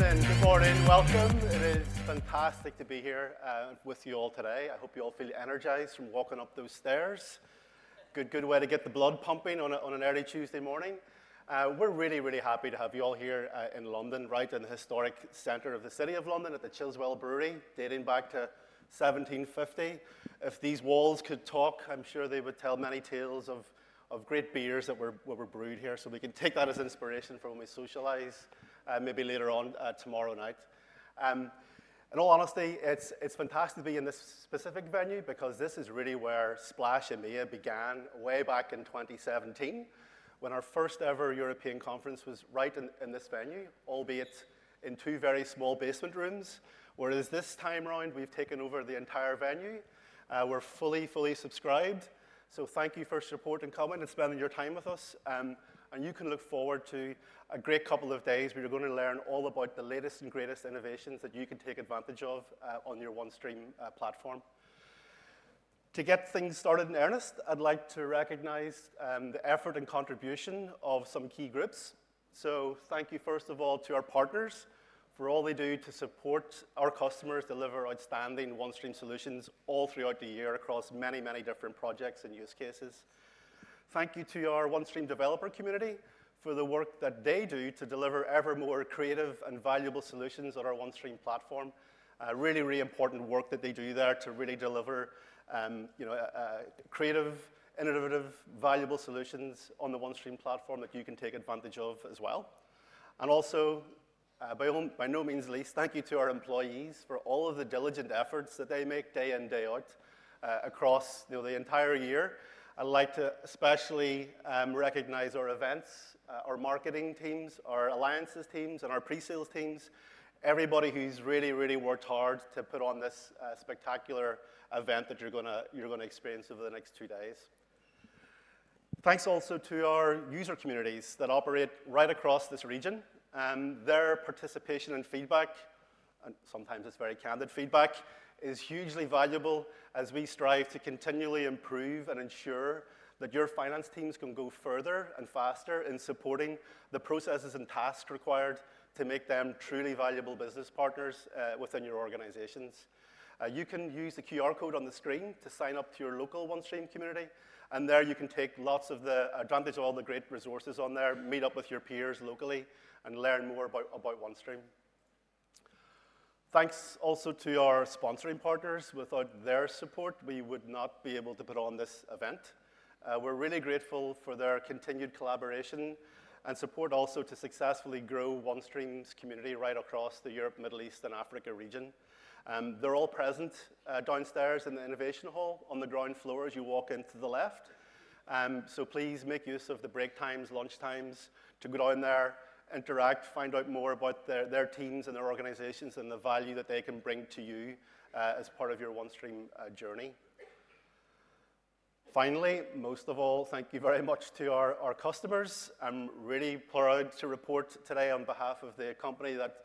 Hey, good morning. Good morning. Welcome. It is fantastic to be here with you all today. I hope you all feel energized from walking up those stairs. Good, good way to get the blood pumping on an early Tuesday morning. We're really, really happy to have you all here in London, right in the historic center of the city of London at the Chiswell Brewery, dating back to 1750. If these walls could talk, I'm sure they would tell many tales of great beers that were brewed here. So we can take that as inspiration for when we socialize, maybe later on tomorrow night. In all honesty, it's fantastic to be in this specific venue because this is really where Splash EMEA began, way back in 2017, when our first ever European conference was right in this venue, albeit in two very small basement rooms. Whereas this time around, we've taken over the entire venue. We're fully, fully subscribed, so thank you for support and coming and spending your time with us, and you can look forward to a great couple of days where you're going to learn all about the latest and greatest innovations that you can take advantage of on your OneStream platform. To get things started in earnest, I'd like to recognize the effort and contribution of some key groups, so thank you, first of all, to our partners for all they do to support our customers, deliver outstanding OneStream solutions all throughout the year across many, many different projects and use cases. Thank you to our OneStream Developer Community for the work that they do to deliver ever more creative and valuable solutions on our OneStream platform. Really, really important work that they do there to really deliver creative, innovative, valuable solutions on the OneStream platform that you can take advantage of as well. And also, by no means least, thank you to our employees for all of the diligent efforts that they make day in, day out across the entire year. I'd like to especially recognize our events, our marketing teams, our alliances teams, and our presales teams. Everybody who's really, really worked hard to put on this spectacular event that you're going to experience over the next two days. Thanks also to our user communities that operate right across this region. Their participation and feedback, and sometimes it's very candid feedback, is hugely valuable as we strive to continually improve and ensure that your finance teams can go further and faster in supporting the processes and tasks required to make them truly valuable business partners within your organizations. You can use the QR code on the screen to sign up to your local OneStream community, and there you can take lots of the advantage of all the great resources on there, meet up with your peers locally, and learn more about OneStream. Thanks also to our sponsoring partners. Without their support, we would not be able to put on this event. We're really grateful for their continued collaboration and support also to successfully grow OneStream's community right across the Europe, Middle East, and Africa region. They're all present downstairs in the Innovation Hall on the ground floor as you walk into the left. So please make use of the break times, lunch times to go down there, interact, find out more about their teams and their organizations and the value that they can bring to you as part of your OneStream journey. Finally, most of all, thank you very much to our customers. I'm really proud to report today on behalf of the company that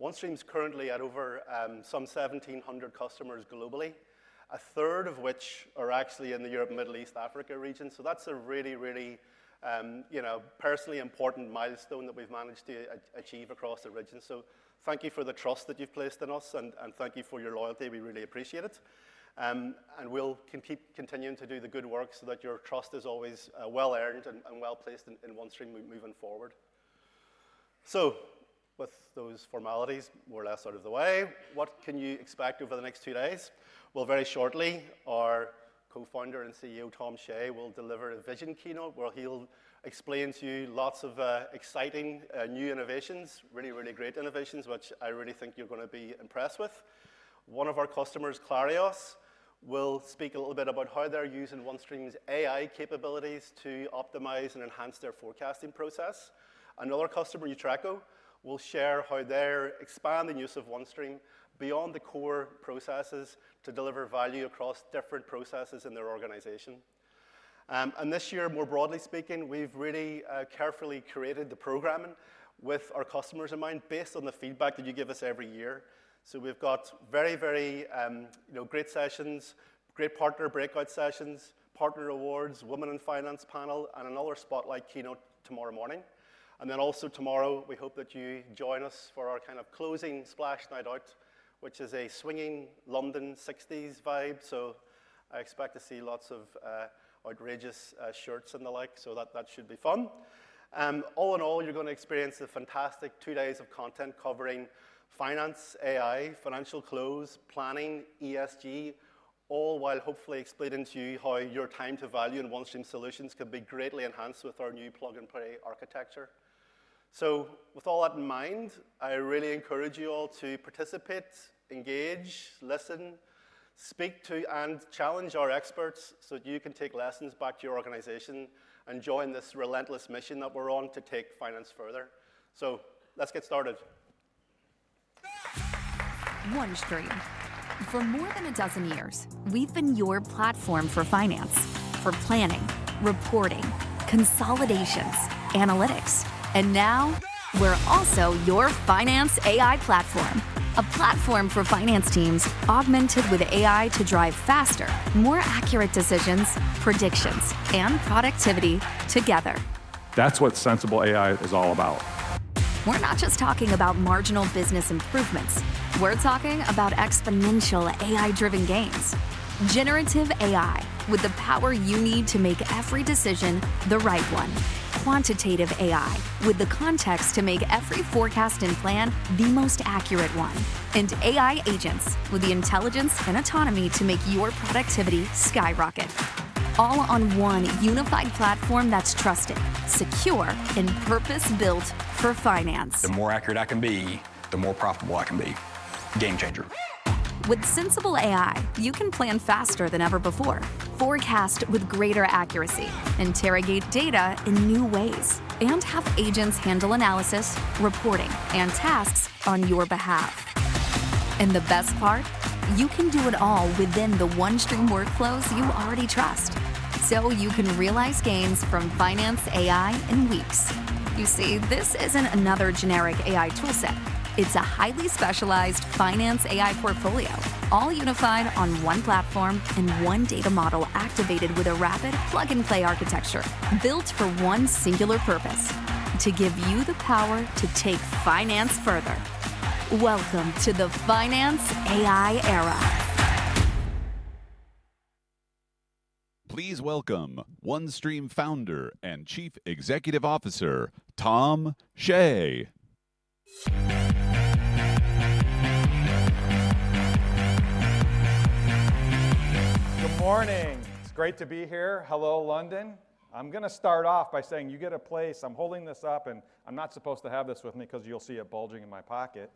OneStream's currently at over some 1,700 customers globally, a third of which are actually in the Europe, Middle East, Africa region. So that's a really, really personally important milestone that we've managed to achieve across the region. So thank you for the trust that you've placed in us, and thank you for your loyalty. We really appreciate it. We'll keep continuing to do the good work so that your trust is always well earned and well placed in OneStream moving forward. With those formalities out of the way, what can you expect over the next two days? Well, very shortly, our Co-founder and CEO, Tom Shea, will deliver a vision keynote where he'll explain to you lots of exciting new innovations, really, really great innovations, which I really think you're going to be impressed with. One of our customers, Clarios, will speak a little bit about how they're using OneStream's AI capabilities to optimize and enhance their forecasting process. Another customer, Nutreco, will share how they're expanding the use of OneStream beyond the core processes to deliver value across different processes in their organization. And this year, more broadly speaking, we've really carefully curated the programming with our customers in mind based on the feedback that you give us every year. So we've got very, very great sessions, great partner breakout sessions, partner awards, Women in Finance panel, and another spotlight keynote tomorrow morning. And then also tomorrow, we hope that you join us for our kind of closing Splash Night Out, which is a swinging London '60s vibe. So I expect to see lots of outrageous shirts and the like. So that should be fun. All in all, you're going to experience the fantastic two days of content covering finance, AI, financial close, planning, ESG, all while hopefully explaining to you how your time to value in OneStream solutions could be greatly enhanced with our new plug-and-play architecture. So with all that in mind, I really encourage you all to participate, engage, listen, speak to, and challenge our experts so that you can take lessons back to your organization and join this relentless mission that we're on to take finance further. So let's get started. OneStream. For more than a dozen years, we've been your platform for finance, for planning, reporting, consolidations, analytics, and now we're also your finance AI platform, a platform for finance teams augmented with AI to drive faster, more accurate decisions, predictions, and productivity together. That's what Sensible AI is all about. We're not just talking about marginal business improvements. We're talking about exponential AI-driven gains. Generative AI with the power you need to make every decision the right one. Quantitative AI with the context to make every forecast and plan the most accurate one. And AI agents with the intelligence and autonomy to make your productivity skyrocket. All on one unified platform that's trusted, secure, and purpose-built for finance. The more accurate I can be, the more profitable I can be. Game changer. With Sensible AI, you can plan faster than ever before, forecast with greater accuracy, interrogate data in new ways, and have agents handle analysis, reporting, and tasks on your behalf. And the best part? You can do it all within the OneStream workflows you already trust, so you can realize gains from finance AI in weeks. You see, this isn't another generic AI toolset. It's a highly specialized finance AI portfolio, all unified on one platform and one data model activated with a rapid plug-and-play architecture built for one singular purpose: to give you the power to take finance further. Welcome to the finance AI era. Please welcome OneStream Founder and Chief Executive Officer, Tom Shea. Good morning. It's great to be here. Hello, London. I'm going to start off by saying you get a place. I'm holding this up, and I'm not supposed to have this with me because you'll see it bulging in my pocket,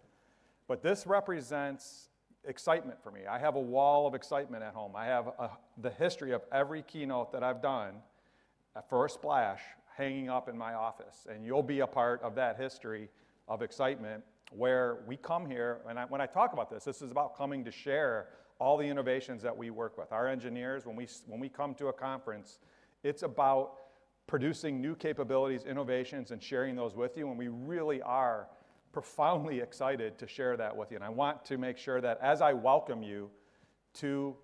but this represents excitement for me. I have a wall of excitement at home. I have the history of every keynote that I've done for a Splash hanging up in my office, and you'll be a part of that history of excitement where we come here, and when I talk about this, this is about coming to share all the innovations that we work with. Our engineers, when we come to a conference, it's about producing new capabilities, innovations, and sharing those with you, and we really are profoundly excited to share that with you. And I want to make sure that as I welcome you to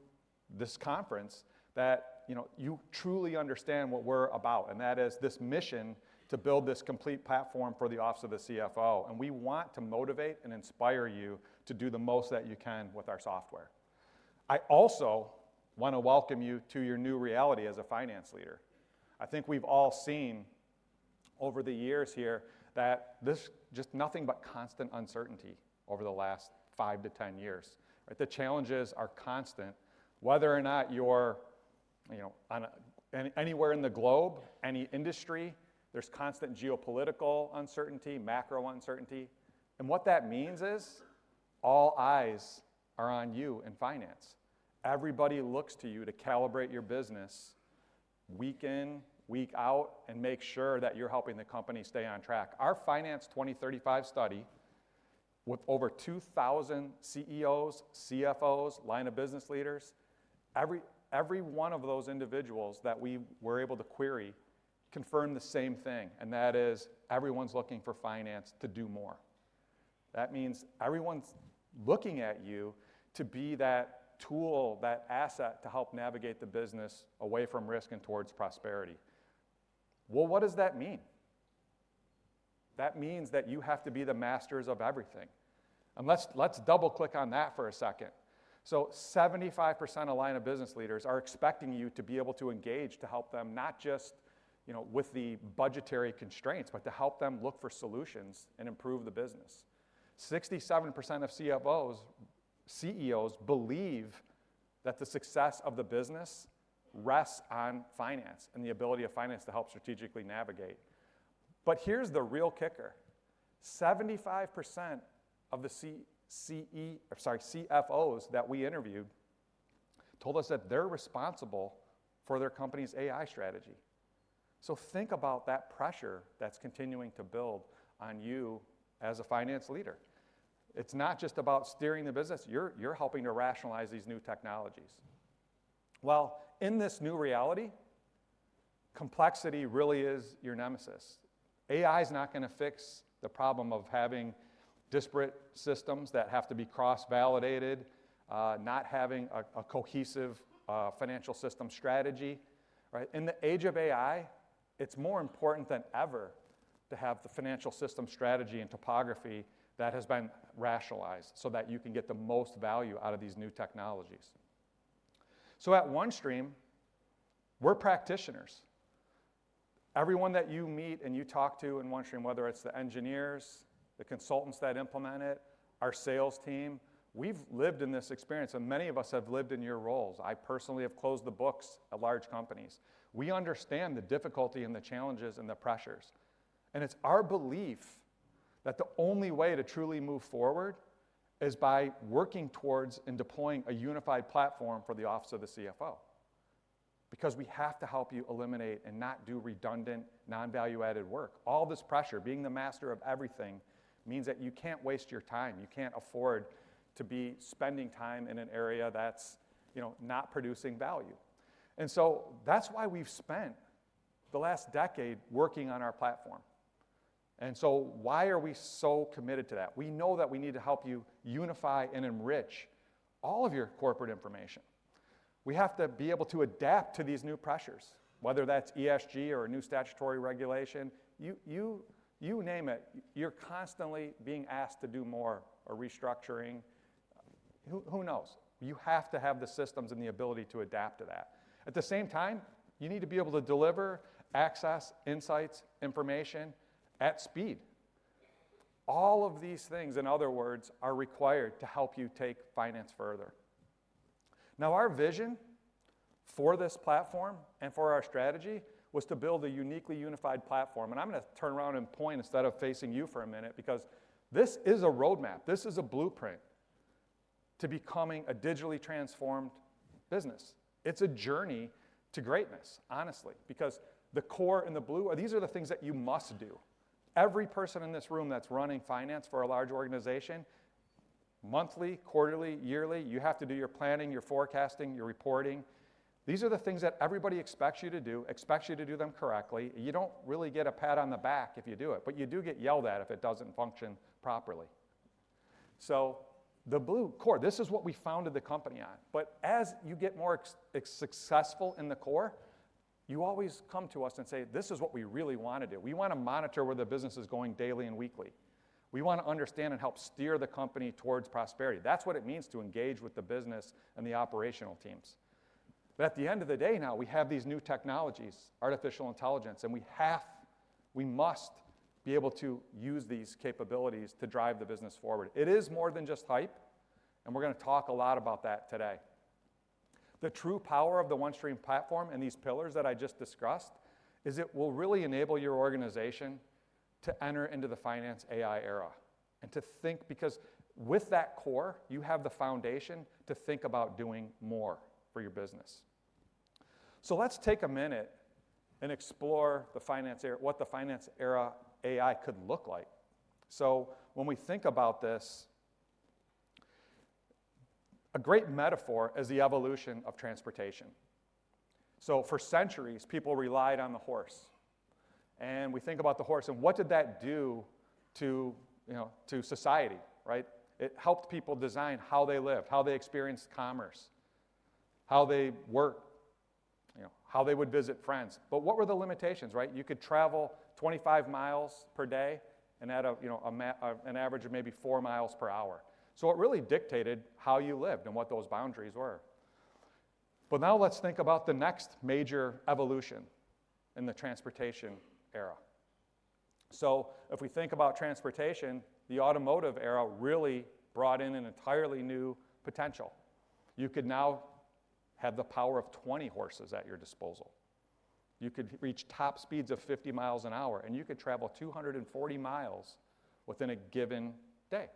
this conference, that you truly understand what we're about. And that is this mission to build this complete platform for the office of the CFO. And we want to motivate and inspire you to do the most that you can with our software. I also want to welcome you to your new reality as a finance leader. I think we've all seen over the years here that this is just nothing but constant uncertainty over the last five to 10 years. The challenges are constant. Whether or not you're anywhere in the globe, any industry, there's constant geopolitical uncertainty, macro uncertainty. And what that means is all eyes are on you in finance. Everybody looks to you to calibrate your business week in, week out, and make sure that you're helping the company stay on track. Our Finance 2025 study with over 2,000 CEOs, CFOs, line of business leaders, every one of those individuals that we were able to query confirmed the same thing. And that is everyone's looking for finance to do more. That means everyone's looking at you to be that tool, that asset to help navigate the business away from risk and towards prosperity. Well, what does that mean? That means that you have to be the masters of everything. And let's double-click on that for a second. So 75% of line of business leaders are expecting you to be able to engage to help them not just with the budgetary constraints, but to help them look for solutions and improve the business. 67% of CFOs, CEOs believe that the success of the business rests on finance and the ability of finance to help strategically navigate. But here's the real kicker. 75% of the CFOs that we interviewed told us that they're responsible for their company's AI strategy, so think about that pressure that's continuing to build on you as a finance leader. It's not just about steering the business. You're helping to rationalize these new technologies, well, in this new reality, complexity really is your nemesis. AI is not going to fix the problem of having disparate systems that have to be cross-validated, not having a cohesive financial system strategy. In the age of AI, it's more important than ever to have the financial system strategy and topology that has been rationalized so that you can get the most value out of these new technologies, so at OneStream, we're practitioners. Everyone that you meet and you talk to in OneStream, whether it's the engineers, the consultants that implement it, our sales team, we've lived in this experience. And many of us have lived in your roles. I personally have closed the books at large companies. We understand the difficulty and the challenges and the pressures. And it's our belief that the only way to truly move forward is by working towards and deploying a unified platform for the office of the CFO because we have to help you eliminate, and not do, redundant, non-value-added work. All this pressure, being the master of everything, means that you can't waste your time. You can't afford to be spending time in an area that's not producing value. And so, that's why we've spent the last decade working on our platform. And so, why are we so committed to that? We know that we need to help you unify and enrich all of your corporate information. We have to be able to adapt to these new pressures, whether that's ESG or a new statutory regulation, you name it. You're constantly being asked to do more or restructuring. Who knows? You have to have the systems and the ability to adapt to that. At the same time, you need to be able to deliver access, insights, information at speed. All of these things, in other words, are required to help you take finance further. Now, our vision for this platform and for our strategy was to build a uniquely unified platform. And I'm going to turn around and point instead of facing you for a minute because this is a roadmap. This is a blueprint to becoming a digitally transformed business. It's a journey to greatness, honestly, because the core and the blue are. These are the things that you must do. Every person in this room that's running finance for a large organization, monthly, quarterly, yearly, you have to do your planning, your forecasting, your reporting. These are the things that everybody expects you to do, expects you to do them correctly. You don't really get a pat on the back if you do it, but you do get yelled at if it doesn't function properly. So the blue core, this is what we founded the company on. But as you get more successful in the core, you always come to us and say, "This is what we really want to do. We want to monitor where the business is going daily and weekly. We want to understand and help steer the company towards prosperity." That's what it means to engage with the business and the operational teams. But at the end of the day, now we have these new technologies, artificial intelligence, and we must be able to use these capabilities to drive the business forward. It is more than just hype. And we're going to talk a lot about that today. The true power of the OneStream platform and these pillars that I just discussed is it will really enable your organization to enter into the finance AI era and to think because with that core, you have the foundation to think about doing more for your business. So let's take a minute and explore what the finance era AI could look like. So when we think about this, a great metaphor is the evolution of transportation. So for centuries, people relied on the horse. And we think about the horse. And what did that do to society? It helped people design how they lived, how they experienced commerce, how they worked, how they would visit friends. But what were the limitations? You could travel 25 miles per day and at an average of maybe four miles per hour. So it really dictated how you lived and what those boundaries were. But now let's think about the next major evolution in the transportation era. So if we think about transportation, the automotive era really brought in an entirely new potential. You could now have the power of 20 horses at your disposal. You could reach top speeds of 50 miles an hour, and you could travel 240 miles within a given day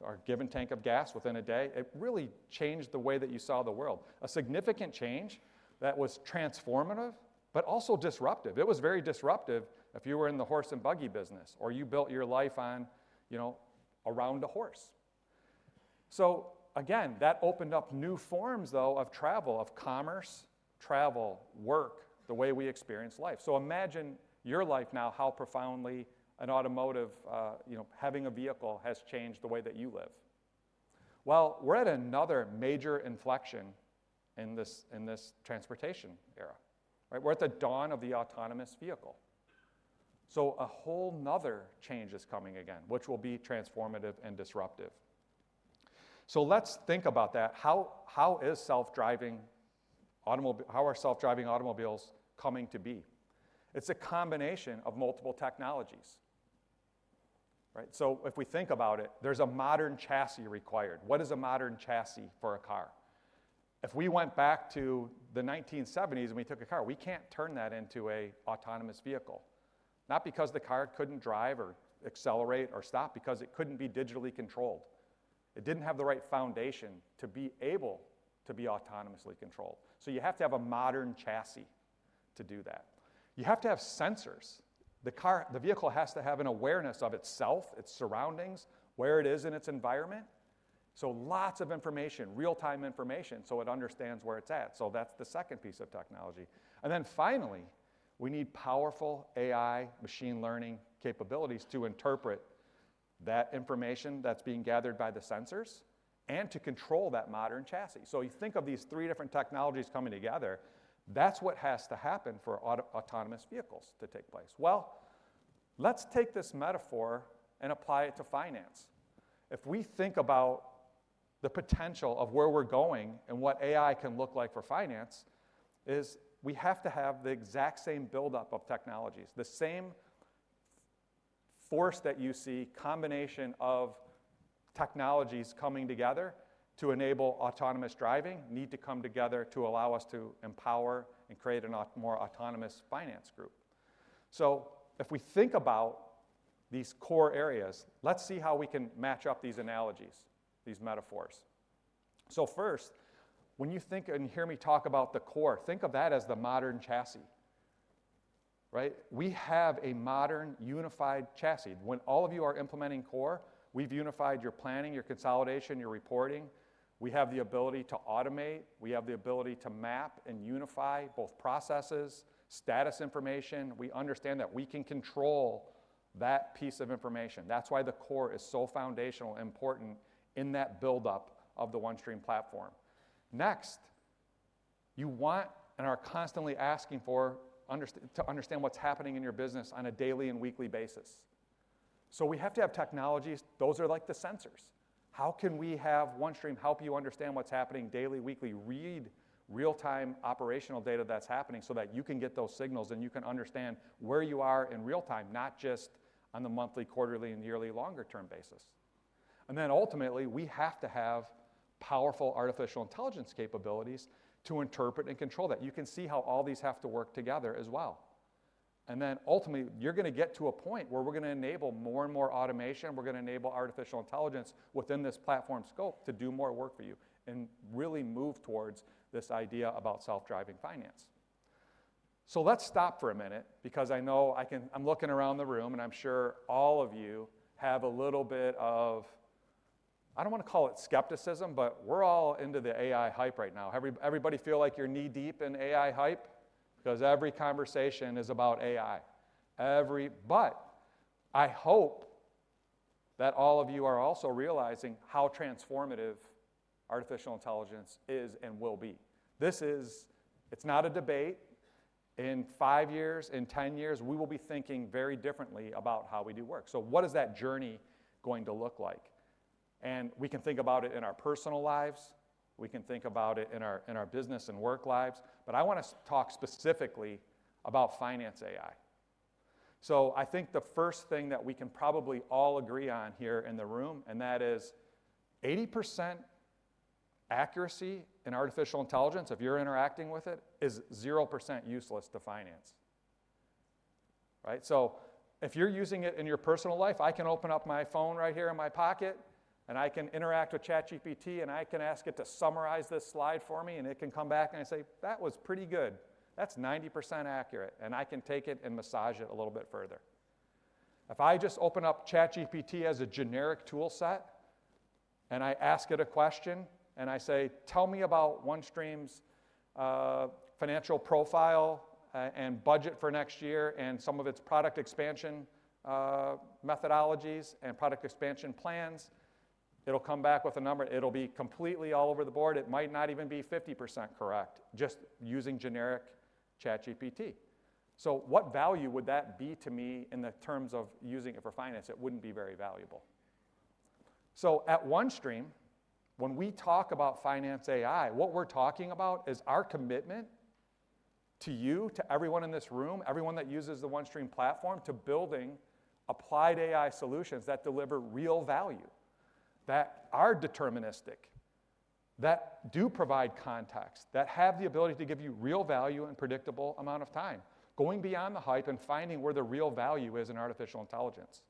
or a given tank of gas within a day. It really changed the way that you saw the world, a significant change that was transformative, but also disruptive. It was very disruptive if you were in the horse and buggy business or you built your life around a horse, so again, that opened up new forms, though, of travel, of commerce, travel, work, the way we experience life, so imagine your life now, how profoundly an automobile, having a vehicle, has changed the way that you live, well, we're at another major inflection in this transportation era. We're at the dawn of the autonomous vehicle, so a whole nother change is coming again, which will be transformative and disruptive, so let's think about that. How are self-driving automobiles coming to be? It's a combination of multiple technologies, so if we think about it, there's a modern chassis required. What is a modern chassis for a car? If we went back to the 1970s and we took a car, we can't turn that into an autonomous vehicle, not because the car couldn't drive or accelerate or stop, because it couldn't be digitally controlled. It didn't have the right foundation to be able to be autonomously controlled. So you have to have a modern chassis to do that. You have to have sensors. The vehicle has to have an awareness of itself, its surroundings, where it is in its environment. So lots of information, real-time information, so it understands where it's at. So that's the second piece of technology. And then finally, we need powerful AI machine learning capabilities to interpret that information that's being gathered by the sensors and to control that modern chassis. So you think of these three different technologies coming together. That's what has to happen for autonomous vehicles to take place. Well, let's take this metaphor and apply it to finance. If we think about the potential of where we're going and what AI can look like for finance, we have to have the exact same buildup of technologies, the same force that you see, a combination of technologies coming together to enable autonomous driving need to come together to allow us to empower and create a more autonomous finance group. So if we think about these core areas, let's see how we can match up these analogies, these metaphors. So first, when you think and hear me talk about the core, think of that as the modern chassis. We have a modern unified chassis. When all of you are implementing core, we've unified your planning, your consolidation, your reporting. We have the ability to automate. We have the ability to map and unify both processes, status information. We understand that we can control that piece of information. That's why the core is so foundational and important in that buildup of the OneStream platform. Next, you want and are constantly asking for to understand what's happening in your business on a daily and weekly basis, so we have to have technologies. Those are like the sensors. How can we have OneStream help you understand what's happening daily, weekly, or real-time operational data that's happening so that you can get those signals and you can understand where you are in real time, not just on the monthly, quarterly, and yearly longer-term basis, and then ultimately, we have to have powerful artificial intelligence capabilities to interpret and control that. You can see how all these have to work together as well, and then ultimately, you're going to get to a point where we're going to enable more and more automation. We're going to enable artificial intelligence within this platform scope to do more work for you and really move towards this idea about self-driving finance, so let's stop for a minute because I know I'm looking around the room, and I'm sure all of you have a little bit of, I don't want to call it skepticism, but we're all into the AI hype right now, everybody feel like you're knee-deep in AI hype because every conversation is about AI, but I hope that all of you are also realizing how transformative artificial intelligence is and will be. It's not a debate. In five years, in 10 years, we will be thinking very differently about how we do work, so what is that journey going to look like, and we can think about it in our personal lives. We can think about it in our business and work lives. But I want to talk specifically about finance AI. So I think the first thing that we can probably all agree on here in the room, and that is 80% accuracy in artificial intelligence, if you're interacting with it, is 0% useless to finance. So if you're using it in your personal life, I can open up my phone right here in my pocket, and I can interact with ChatGPT, and I can ask it to summarize this slide for me. And it can come back, and I say, "That was pretty good. That's 90% accurate." And I can take it and massage it a little bit further. If I just open up ChatGPT as a generic toolset, and I ask it a question, and I say, "Tell me about OneStream's financial profile and budget for next year and some of its product expansion methodologies and product expansion plans," it'll come back with a number. It'll be completely all over the board. It might not even be 50% correct just using generic ChatGPT. So what value would that be to me in the terms of using it for finance? It wouldn't be very valuable. At OneStream, when we talk about finance AI, what we're talking about is our commitment to you, to everyone in this room, everyone that uses the OneStream platform, to building applied AI solutions that deliver real value, that are deterministic, that do provide context, that have the ability to give you real value in a predictable amount of time, going beyond the hype and finding where the real value is in artificial intelligence.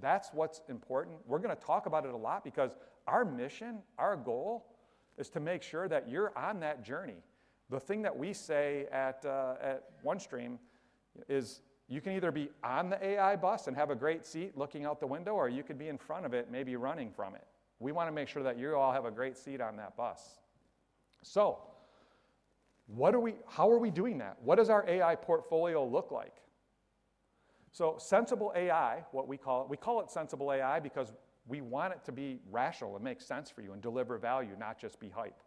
That's what's important. We're going to talk about it a lot because our mission, our goal, is to make sure that you're on that journey. The thing that we say at OneStream is you can either be on the AI bus and have a great seat looking out the window, or you could be in front of it, maybe running from it. We want to make sure that you all have a great seat on that bus. So how are we doing that? What does our AI portfolio look like? So Sensible AI, what we call it, we call it Sensible AI because we want it to be rational and make sense for you and deliver value, not just be hype.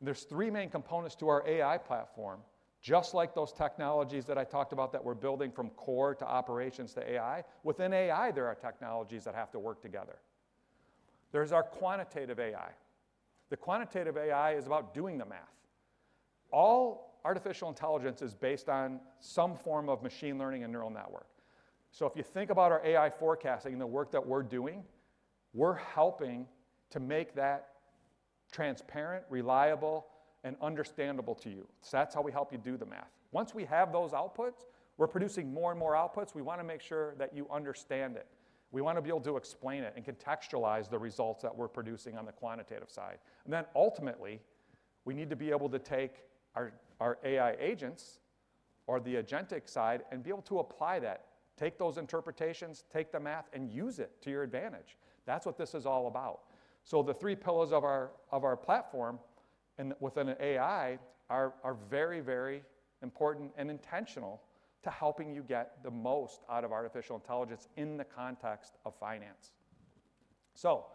There's three main components to our AI platform, just like those technologies that I talked about that we're building from core to operations to AI. Within AI, there are technologies that have to work together. There's our Quantitative AI. The Quantitative AI is about doing the math. All artificial intelligence is based on some form of Machine Learning and neural network. So if you think about our AI forecasting and the work that we're doing, we're helping to make that transparent, reliable, and understandable to you. So that's how we help you do the math. Once we have those outputs, we're producing more and more outputs. We want to make sure that you understand it. We want to be able to explain it and contextualize the results that we're producing on the quantitative side. And then ultimately, we need to be able to take our AI agents or the agentic side and be able to apply that, take those interpretations, take the math, and use it to your advantage. That's what this is all about. So the three pillars of our platform within AI are very, very important and intentional to helping you get the most out of artificial intelligence in the context of finance. So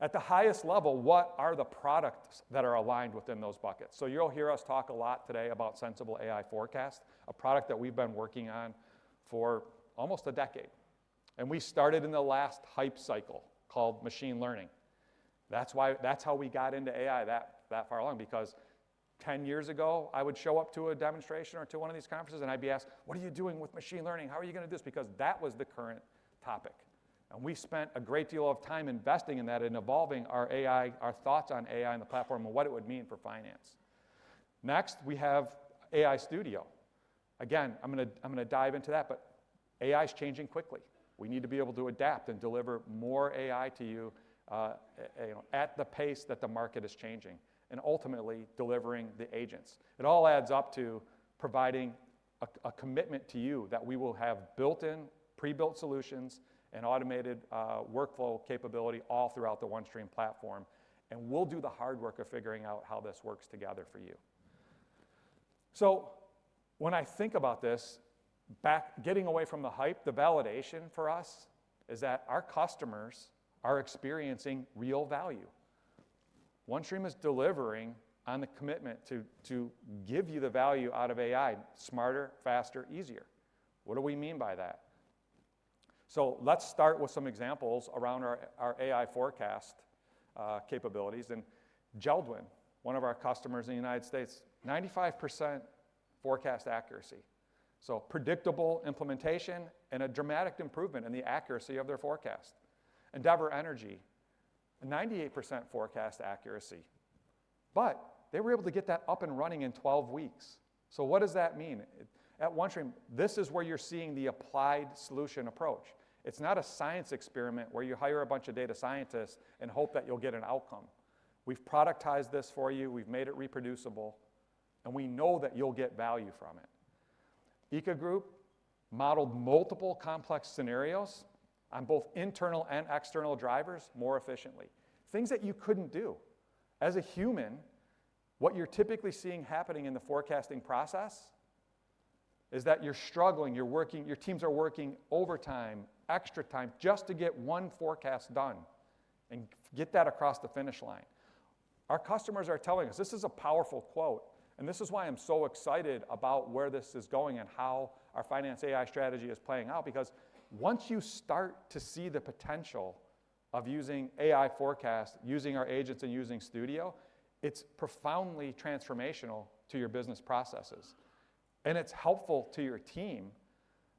at the highest level, what are the products that are aligned within those buckets? So you'll hear us talk a lot today about Sensible AI Forecast, a product that we've been working on for almost a decade. And we started in the last hype cycle called machine learning. That's how we got into AI that far along, because 10 years ago, I would show up to a demonstration or to one of these conferences, and I'd be asked, "What are you doing with machine learning? How are you going to do this?" Because that was the current topic. And we spent a great deal of time investing in that and evolving our thoughts on AI and the platform and what it would mean for finance. Next, we have AI Studio. Again, I'm going to dive into that, but AI is changing quickly. We need to be able to adapt and deliver more AI to you at the pace that the market is changing and ultimately delivering the agents. It all adds up to providing a commitment to you that we will have built-in, pre-built solutions and automated workflow capability all throughout the OneStream platform. And we'll do the hard work of figuring out how this works together for you. So when I think about this, getting away from the hype, the validation for us is that our customers are experiencing real value. OneStream is delivering on the commitment to give you the value out of AI smarter, faster, easier. What do we mean by that? So let's start with some examples around our AI forecast capabilities. And JELD-WEN, one of our customers in the United States, 95% forecast accuracy, so predictable implementation and a dramatic improvement in the accuracy of their forecast. Endeavor Energy, 98% forecast accuracy, but they were able to get that up and running in 12 weeks. So what does that mean? At OneStream, this is where you're seeing the applied solution approach. It's not a science experiment where you hire a bunch of data scientists and hope that you'll get an outcome. We've productized this for you. We've made it reproducible, and we know that you'll get value from it. AGCO Group modeled multiple complex scenarios on both internal and external drivers more efficiently, things that you couldn't do. As a human, what you're typically seeing happening in the forecasting process is that you're struggling. Your teams are working overtime, extra time, just to get one forecast done and get that across the finish line. Our customers are telling us this is a powerful quote, and this is why I'm so excited about where this is going and how our finance AI strategy is playing out, because once you start to see the potential of using AI Forecast, using our agents, and using Studio, it's profoundly transformational to your business processes, and it's helpful to your team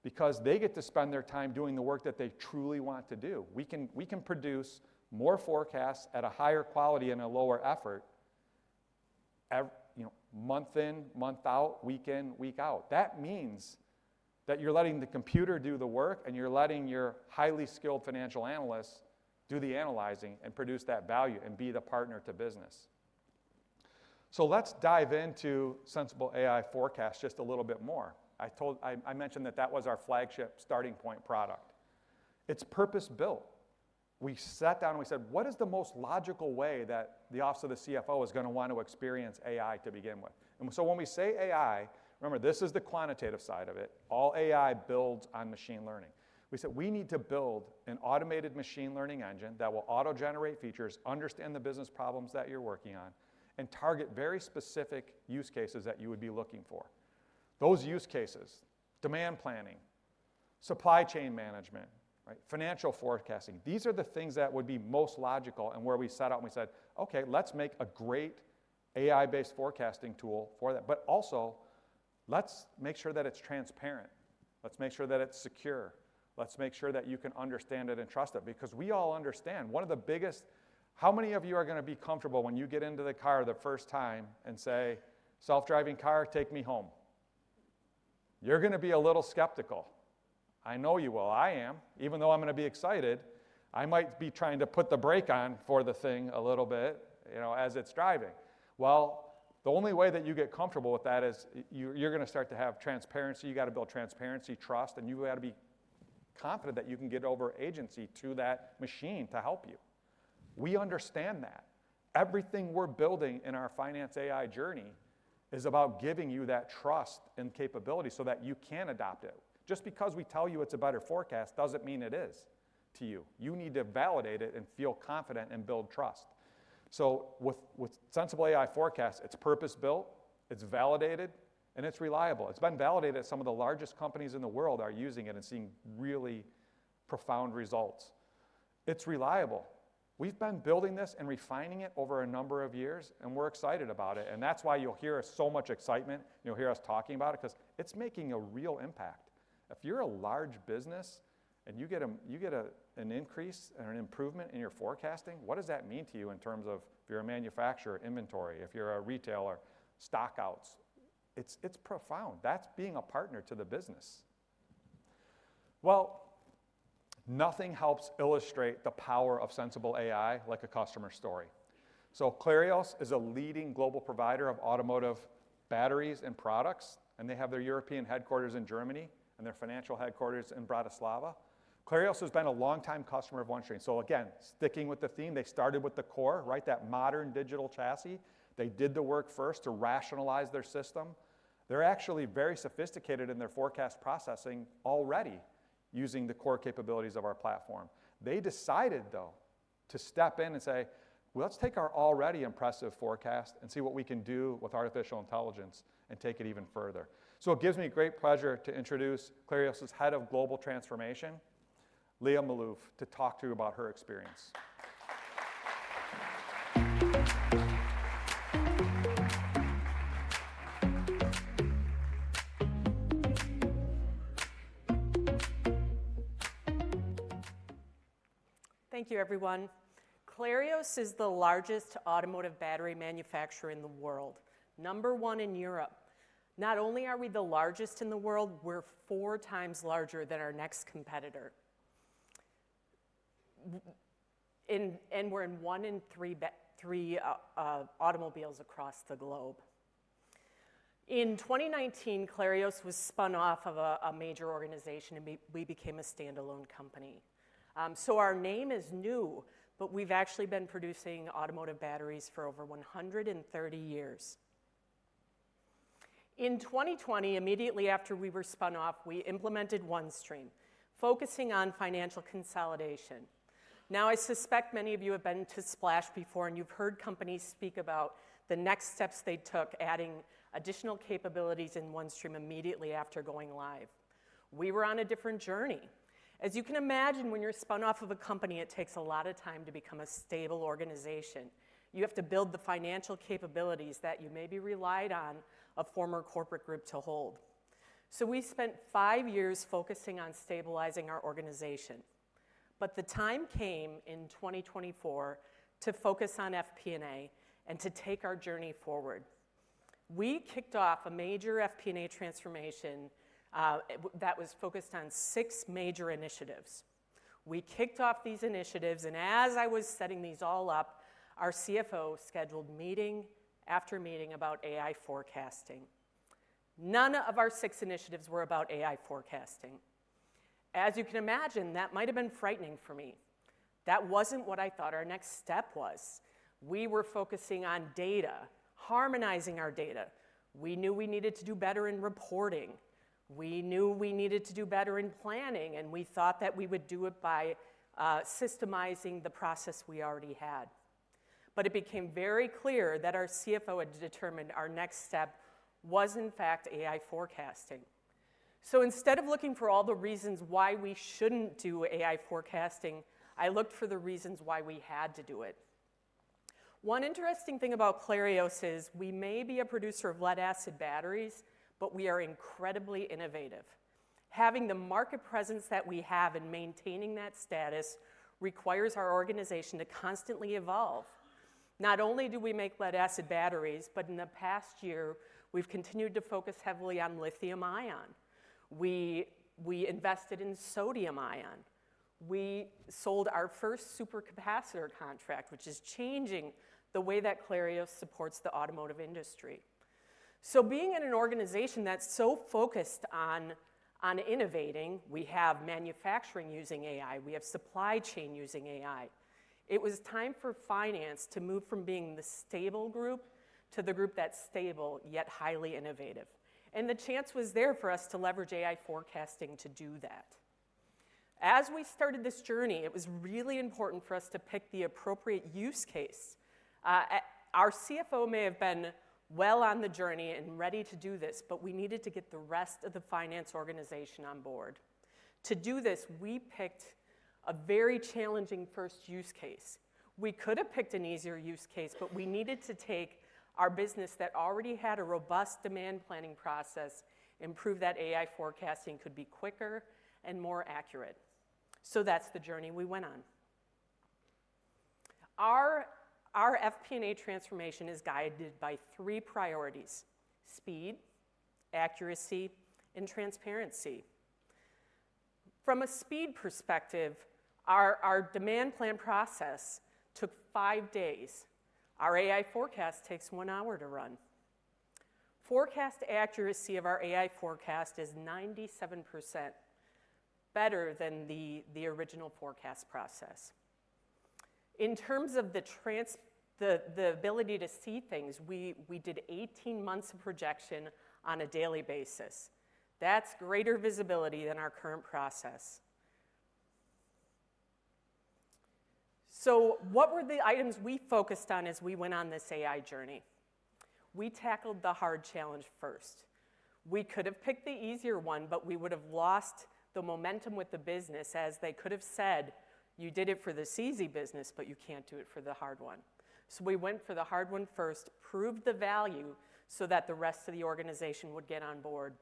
because they get to spend their time doing the work that they truly want to do. We can produce more forecasts at a higher quality and a lower effort month in, month out, week in, week out. That means that you're letting the computer do the work, and you're letting your highly skilled financial analysts do the analyzing and produce that value and be the partner to business, so let's dive into Sensible AI Forecast just a little bit more. I mentioned that that was our flagship starting point product. It's purpose-built. We sat down and we said, "What is the most logical way that the office of the CFO is going to want to experience AI to begin with?," and so when we say AI, remember, this is the quantitative side of it. All AI builds on machine learning. We said, "We need to build an automated machine learning engine that will auto-generate features, understand the business problems that you're working on, and target very specific use cases that you would be looking for." Those use cases, demand planning, supply chain management, financial forecasting, these are the things that would be most logical and where we set out and we said, "Okay, let's make a great AI-based forecasting tool for that, but also let's make sure that it's transparent. Let's make sure that it's secure. Let's make sure that you can understand it and trust it," because we all understand one of the biggest. How many of you are going to be comfortable when you get into the car the first time and say, "Self-driving car, take me home"? You're going to be a little skeptical. I know you will. I am. Even though I'm going to be excited, I might be trying to put the brake on for the thing a little bit as it's driving, well, the only way that you get comfortable with that is you're going to start to have transparency. You got to build transparency, trust, and you got to be confident that you can get over agency to that machine to help you. We understand that. Everything we're building in our finance AI journey is about giving you that trust and capability so that you can adopt it. Just because we tell you it's a better forecast doesn't mean it is to you. You need to validate it and feel confident and build trust. So with Sensible AI Forecast, it's purpose-built, it's validated, and it's reliable. It's been validated. Some of the largest companies in the world are using it and seeing really profound results. It's reliable. We've been building this and refining it over a number of years, and we're excited about it. And that's why you'll hear so much excitement. You'll hear us talking about it because it's making a real impact. If you're a large business and you get an increase and an improvement in your forecasting, what does that mean to you in terms of if you're a manufacturer, inventory, if you're a retailer, stockouts? It's profound. That's being a partner to the business. Nothing helps illustrate the power of Sensible AI like a customer story. Clarios is a leading global provider of automotive batteries and products, and they have their European headquarters in Germany and their financial headquarters in Bratislava. Clarios has been a longtime customer of OneStream. Again, sticking with the theme, they started with the core, right? That modern digital chassis. They did the work first to rationalize their system. They're actually very sophisticated in their forecast processing already using the core capabilities of our platform. They decided, though, to step in and say, "Well, let's take our already impressive forecast and see what we can do with artificial intelligence and take it even further." It gives me great pleasure to introduce Clarios' Head of Global Transformation, Leah Maloof, to talk to you about her experience. Thank you, everyone. Clarios is the largest automotive battery manufacturer in the world, number one in Europe. Not only are we the largest in the world, we're four times larger than our next competitor. And we're in one in three automobiles across the globe. In 2019, Clarios was spun off of a major organization, and we became a standalone company. So our name is new, but we've actually been producing automotive batteries for over 130 years. In 2020, immediately after we were spun off, we implemented OneStream, focusing on financial consolidation. Now, I suspect many of you have been to Splash before, and you've heard companies speak about the next steps they took, adding additional capabilities in OneStream immediately after going live. We were on a different journey. As you can imagine, when you're spun off of a company, it takes a lot of time to become a stable organization. You have to build the financial capabilities that you may have relied on a former corporate group to hold. So we spent five years focusing on stabilizing our organization. But the time came in 2024 to focus on FP&A and to take our journey forward. We kicked off a major FP&A transformation that was focused on six major initiatives. We kicked off these initiatives, and as I was setting these all up, our CFO scheduled meeting after meeting about AI forecasting. None of our six initiatives were about AI forecasting. As you can imagine, that might have been frightening for me. That wasn't what I thought our next step was. We were focusing on data, harmonizing our data. We knew we needed to do better in reporting. We knew we needed to do better in planning, and we thought that we would do it by systemizing the process we already had. But it became very clear that our CFO had determined our next step was, in fact, AI forecasting. So instead of looking for all the reasons why we shouldn't do AI forecasting, I looked for the reasons why we had to do it. One interesting thing about Clarios is we may be a producer of lead-acid batteries, but we are incredibly innovative. Having the market presence that we have and maintaining that status requires our organization to constantly evolve. Not only do we make lead-acid batteries, but in the past year, we've continued to focus heavily on lithium-ion. We invested in sodium-ion. We sold our first supercapacitor contract, which is changing the way that Clarios supports the automotive industry. So being in an organization that's so focused on innovating, we have manufacturing using AI, we have supply chain using AI. It was time for finance to move from being the stable group to the group that's stable yet highly innovative. And the chance was there for us to leverage AI forecasting to do that. As we started this journey, it was really important for us to pick the appropriate use case. Our CFO may have been well on the journey and ready to do this, but we needed to get the rest of the finance organization on board. To do this, we picked a very challenging first use case. We could have picked an easier use case, but we needed to take our business that already had a robust demand planning process, improve that AI forecasting could be quicker and more accurate. So that's the journey we went on. Our FP&A transformation is guided by three priorities: speed, accuracy, and transparency. From a speed perspective, our demand plan process took five days. Our AI forecast takes one hour to run. Forecast accuracy of our AI forecast is 97% better than the original forecast process. In terms of the ability to see things, we did 18 months of projection on a daily basis. That's greater visibility than our current process. So what were the items we focused on as we went on this AI journey? We tackled the hard challenge first. We could have picked the easier one, but we would have lost the momentum with the business as they could have said, "You did it for the CZ business, but you can't do it for the hard one." So we went for the hard one first, proved the value so that the rest of the organization would get on board.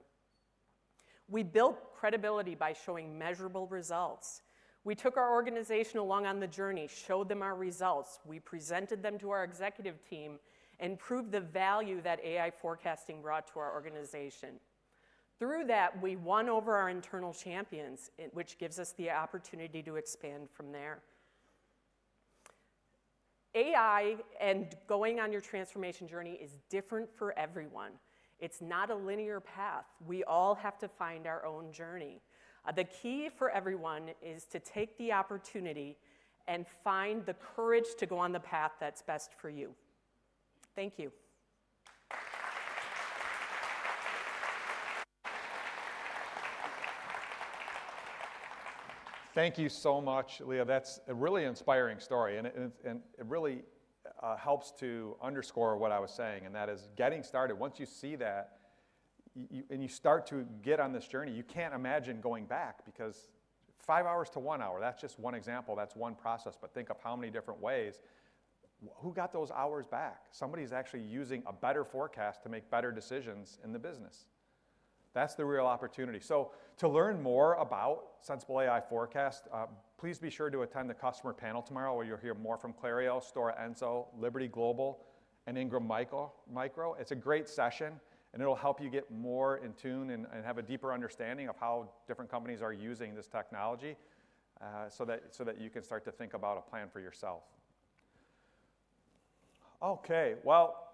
We built credibility by showing measurable results. We took our organization along on the journey, showed them our results. We presented them to our executive team and proved the value that AI forecasting brought to our organization. Through that, we won over our internal champions, which gives us the opportunity to expand from there. AI and going on your transformation journey is different for everyone. It's not a linear path. We all have to find our own journey. The key for everyone is to take the opportunity and find the courage to go on the path that's best for you. Thank you. Thank you so much, Leah. That's a really inspiring story, and it really helps to underscore what I was saying, and that is getting started. Once you see that and you start to get on this journey, you can't imagine going back because five hours to one hour, that's just one example. That's one process, but think of how many different ways. Who got those hours back? Somebody's actually using a better forecast to make better decisions in the business. That's the real opportunity. So to learn more about Sensible AI Forecast, please be sure to attend the customer panel tomorrow where you'll hear more from Clarios, Stora Enso, Liberty Global, and Ingram Micro. It's a great session, and it'll help you get more in tune and have a deeper understanding of how different companies are using this technology so that you can start to think about a plan for yourself. Okay, well,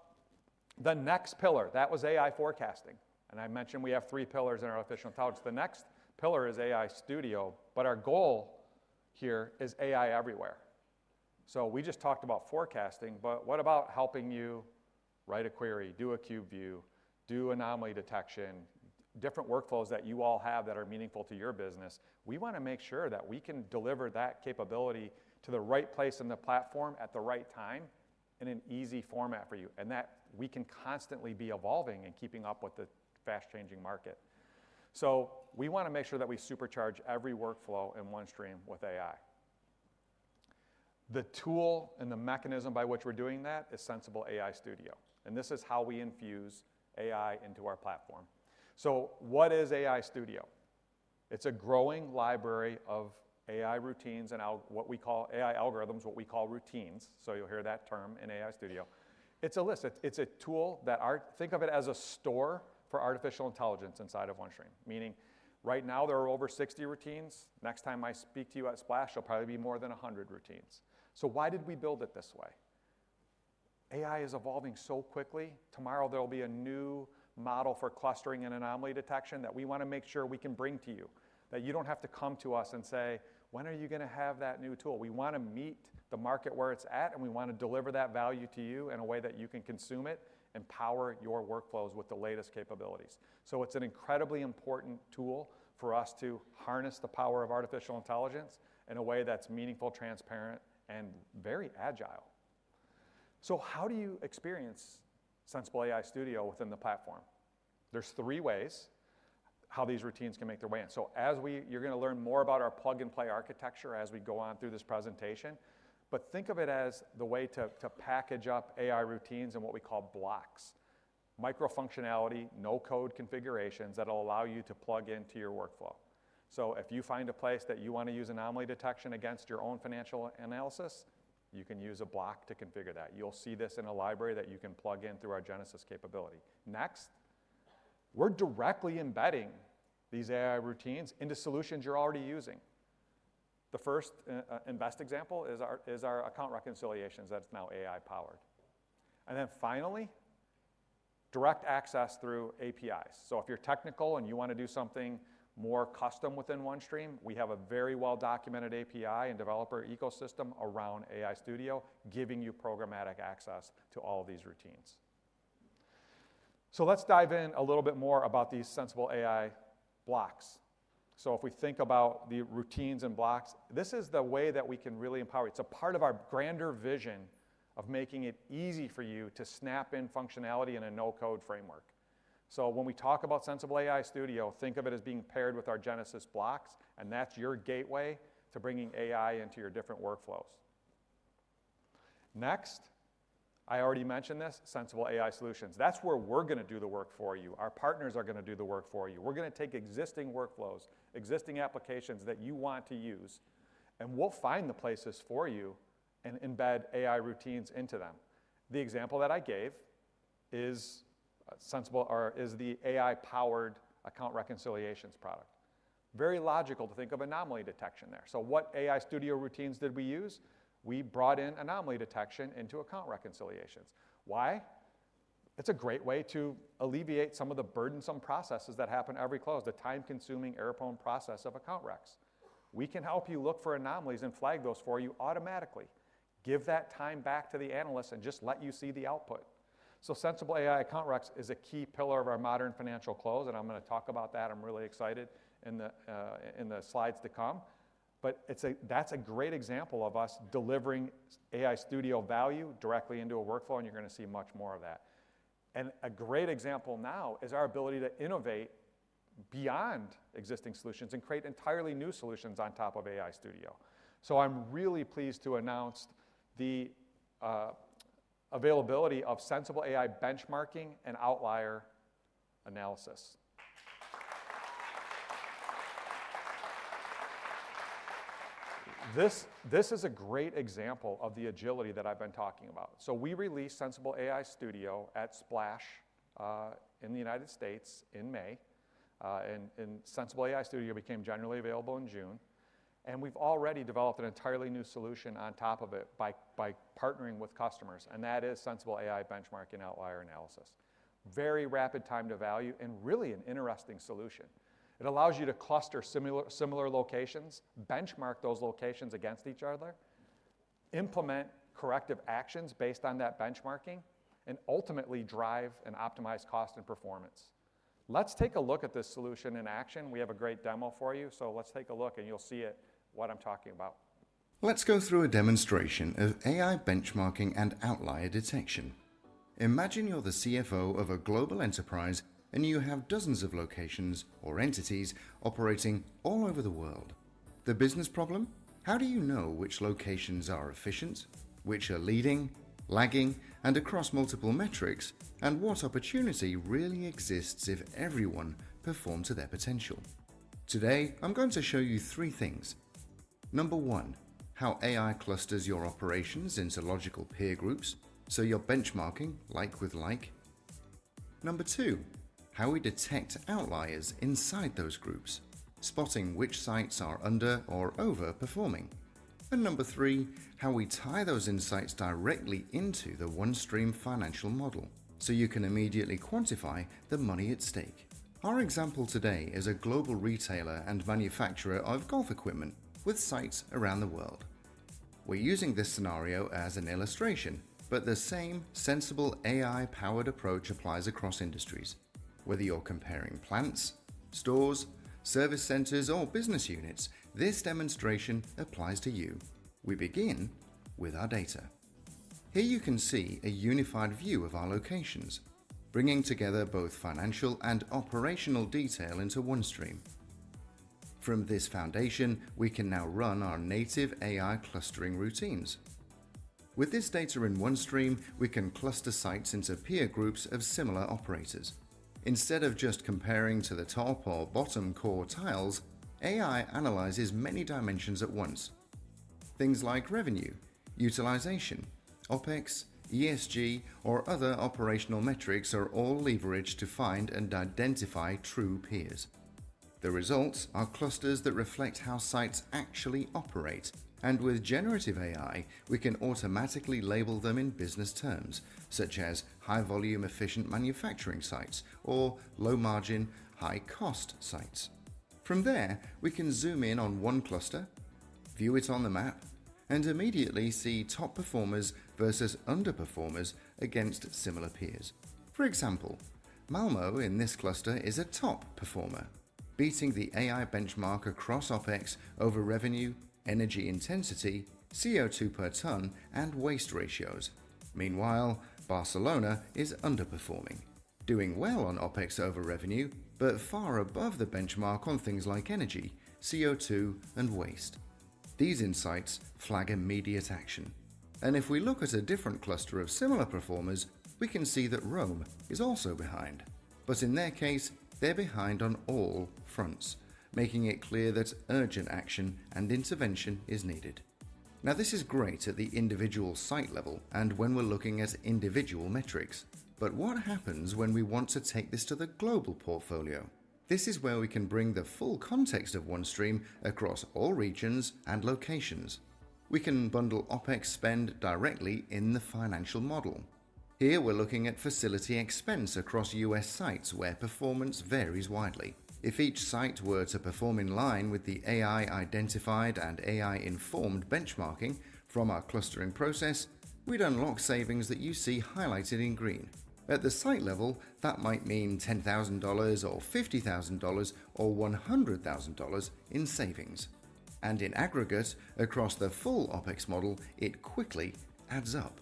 the next pillar, that was AI forecasting. And I mentioned we have three pillars in artificial intelligence. The next pillar is AI Studio, but our goal here is AI everywhere. So we just talked about forecasting, but what about helping you write a query, do a cube view, do anomaly detection, different workflows that you all have that are meaningful to your business? We want to make sure that we can deliver that capability to the right place in the platform at the right time in an easy format for you and that we can constantly be evolving and keeping up with the fast-changing market. So we want to make sure that we supercharge every workflow in OneStream with AI. The tool and the mechanism by which we're doing that is Sensible AI Studio, and this is how we infuse AI into our platform. So what is AI Studio? It's a growing library of AI routines and what we call AI algorithms, what we call routines. So you'll hear that term in AI Studio. It's a list. It's a tool that think of it as a store for artificial intelligence inside of OneStream, meaning right now there are over 60 routines. Next time I speak to you at Splash, there'll probably be more than 100 routines. So why did we build it this way? AI is evolving so quickly. Tomorrow, there'll be a new model for clustering and anomaly detection that we want to make sure we can bring to you, that you don't have to come to us and say, "When are you going to have that new tool?" We want to meet the market where it's at, and we want to deliver that value to you in a way that you can consume it and power your workflows with the latest capabilities. So it's an incredibly important tool for us to harness the power of artificial intelligence in a way that's meaningful, transparent, and very agile. So how do you experience Sensible AI Studio within the platform? There's three ways how these routines can make their way in. So you're going to learn more about our plug-and-play architecture as we go on through this presentation, but think of it as the way to package up AI routines in what we call blocks, micro-functionality, no-code configurations that'll allow you to plug into your workflow. So if you find a place that you want to use anomaly detection against your own financial analysis, you can use a block to configure that. You'll see this in a library that you can plug in through our Genesis capability. Next, we're directly embedding these AI routines into solutions you're already using. The first and best example is our Account Reconciliations that's now AI-powered. And then finally, direct access through APIs. So if you're technical and you want to do something more custom within OneStream, we have a very well-documented API and developer ecosystem around AI Studio giving you programmatic access to all of these routines. So let's dive in a little bit more about these Sensible AI Blocks. So if we think about the routines and blocks, this is the way that we can really empower. It's a part of our grander vision of making it easy for you to snap in functionality in a no-code framework. So when we talk about Sensible AI Studio, think of it as being paired with our Genesis blocks, and that's your gateway to bringing AI into your different workflows. Next, I already mentioned this, Sensible AI solutions. That's where we're going to do the work for you. Our partners are going to do the work for you. We're going to take existing workflows, existing applications that you want to use, and we'll find the places for you and embed AI routines into them. The example that I gave is the AI-powered Account Reconciliations product. Very logical to think of anomaly detection there. So what AI Studio routines did we use? We brought in anomaly detection into Account Reconciliations. Why? It's a great way to alleviate some of the burdensome processes that happen every close, the time-consuming, error-prone process of account recs. We can help you look for anomalies and flag those for you automatically, give that time back to the analyst, and just let you see the output. So Sensible AI account recs is a key pillar of our modern Financial Close, and I'm going to talk about that. I'm really excited in the slides to come. But that's a great example of us delivering Sensible AI Studio value directly into a workflow, and you're going to see much more of that. And a great example now is our ability to innovate beyond existing solutions and create entirely new solutions on top of Sensible AI Studio. So I'm really pleased to announce the availability of Sensible AI Benchmarking and Outlier Analysis. This is a great example of the agility that I've been talking about. So we released Sensible AI Studio at Splash in the United States in May, and Sensible AI Studio became generally available in June. And we've already developed an entirely new solution on top of it by partnering with customers, and that is Sensible AI Benchmarking Outlier Analysis. Very rapid time to value and really an interesting solution. It allows you to cluster similar locations, benchmark those locations against each other, implement corrective actions based on that benchmarking, and ultimately drive and optimize cost and performance. Let's take a look at this solution in action. We have a great demo for you, so let's take a look and you'll see what I'm talking about. Let's go through a demonstration of AI benchmarking and outlier detection. Imagine you're the CFO of a global enterprise and you have dozens of locations or entities operating all over the world. The business problem? How do you know which locations are efficient, which are leading, lagging, and across multiple metrics, and what opportunity really exists if everyone performs to their potential? Today, I'm going to show you three things. Number one, how AI clusters your operations into logical peer groups so you're benchmarking like with like. Number two, how we detect outliers inside those groups, spotting which sites are under or overperforming. And number three, how we tie those insights directly into the OneStream financial model so you can immediately quantify the money at stake. Our example today is a global retailer and manufacturer of golf equipment with sites around the world. We're using this scenario as an illustration, but the same Sensible AI-powered approach applies across industries. Whether you're comparing plants, stores, service centers, or business units, this demonstration applies to you. We begin with our data. Here you can see a unified view of our locations, bringing together both financial and operational detail into OneStream. From this foundation, we can now run our native AI clustering routines. With this data in OneStream, we can cluster sites into peer groups of similar operators. Instead of just comparing to the top or bottom core tiles, AI analyzes many dimensions at once. Things like revenue, utilization, OpEx, ESG, or other operational metrics are all leveraged to find and identify true peers. The results are clusters that reflect how sites actually operate, and with Generative AI, we can automatically label them in business terms such as high-volume efficient manufacturing sites or low-margin, high-cost sites. From there, we can zoom in on one cluster, view it on the map, and immediately see top performers versus underperformers against similar peers. For example, Malmö in this cluster is a top performer, beating the AI benchmark across OpEx over revenue, energy intensity, CO2 per ton, and waste ratios. Meanwhile, Barcelona is underperforming, doing well on OpEx over revenue, but far above the benchmark on things like energy, CO2, and waste. These insights flag immediate action. And if we look at a different cluster of similar performers, we can see that Rome is also behind, but in their case, they're behind on all fronts, making it clear that urgent action and intervention is needed. Now, this is great at the individual site level and when we're looking at individual metrics, but what happens when we want to take this to the global portfolio? This is where we can bring the full context of OneStream across all regions and locations. We can bundle OpEx spend directly in the financial model. Here, we're looking at facility expense across U.S. sites where performance varies widely. If each site were to perform in line with the AI-identified and AI-informed benchmarking from our clustering process, we'd unlock savings that you see highlighted in green. At the site level, that might mean $10,000 or $50,000 or $100,000 in savings. And in aggregate, across the full OpEx model, it quickly adds up.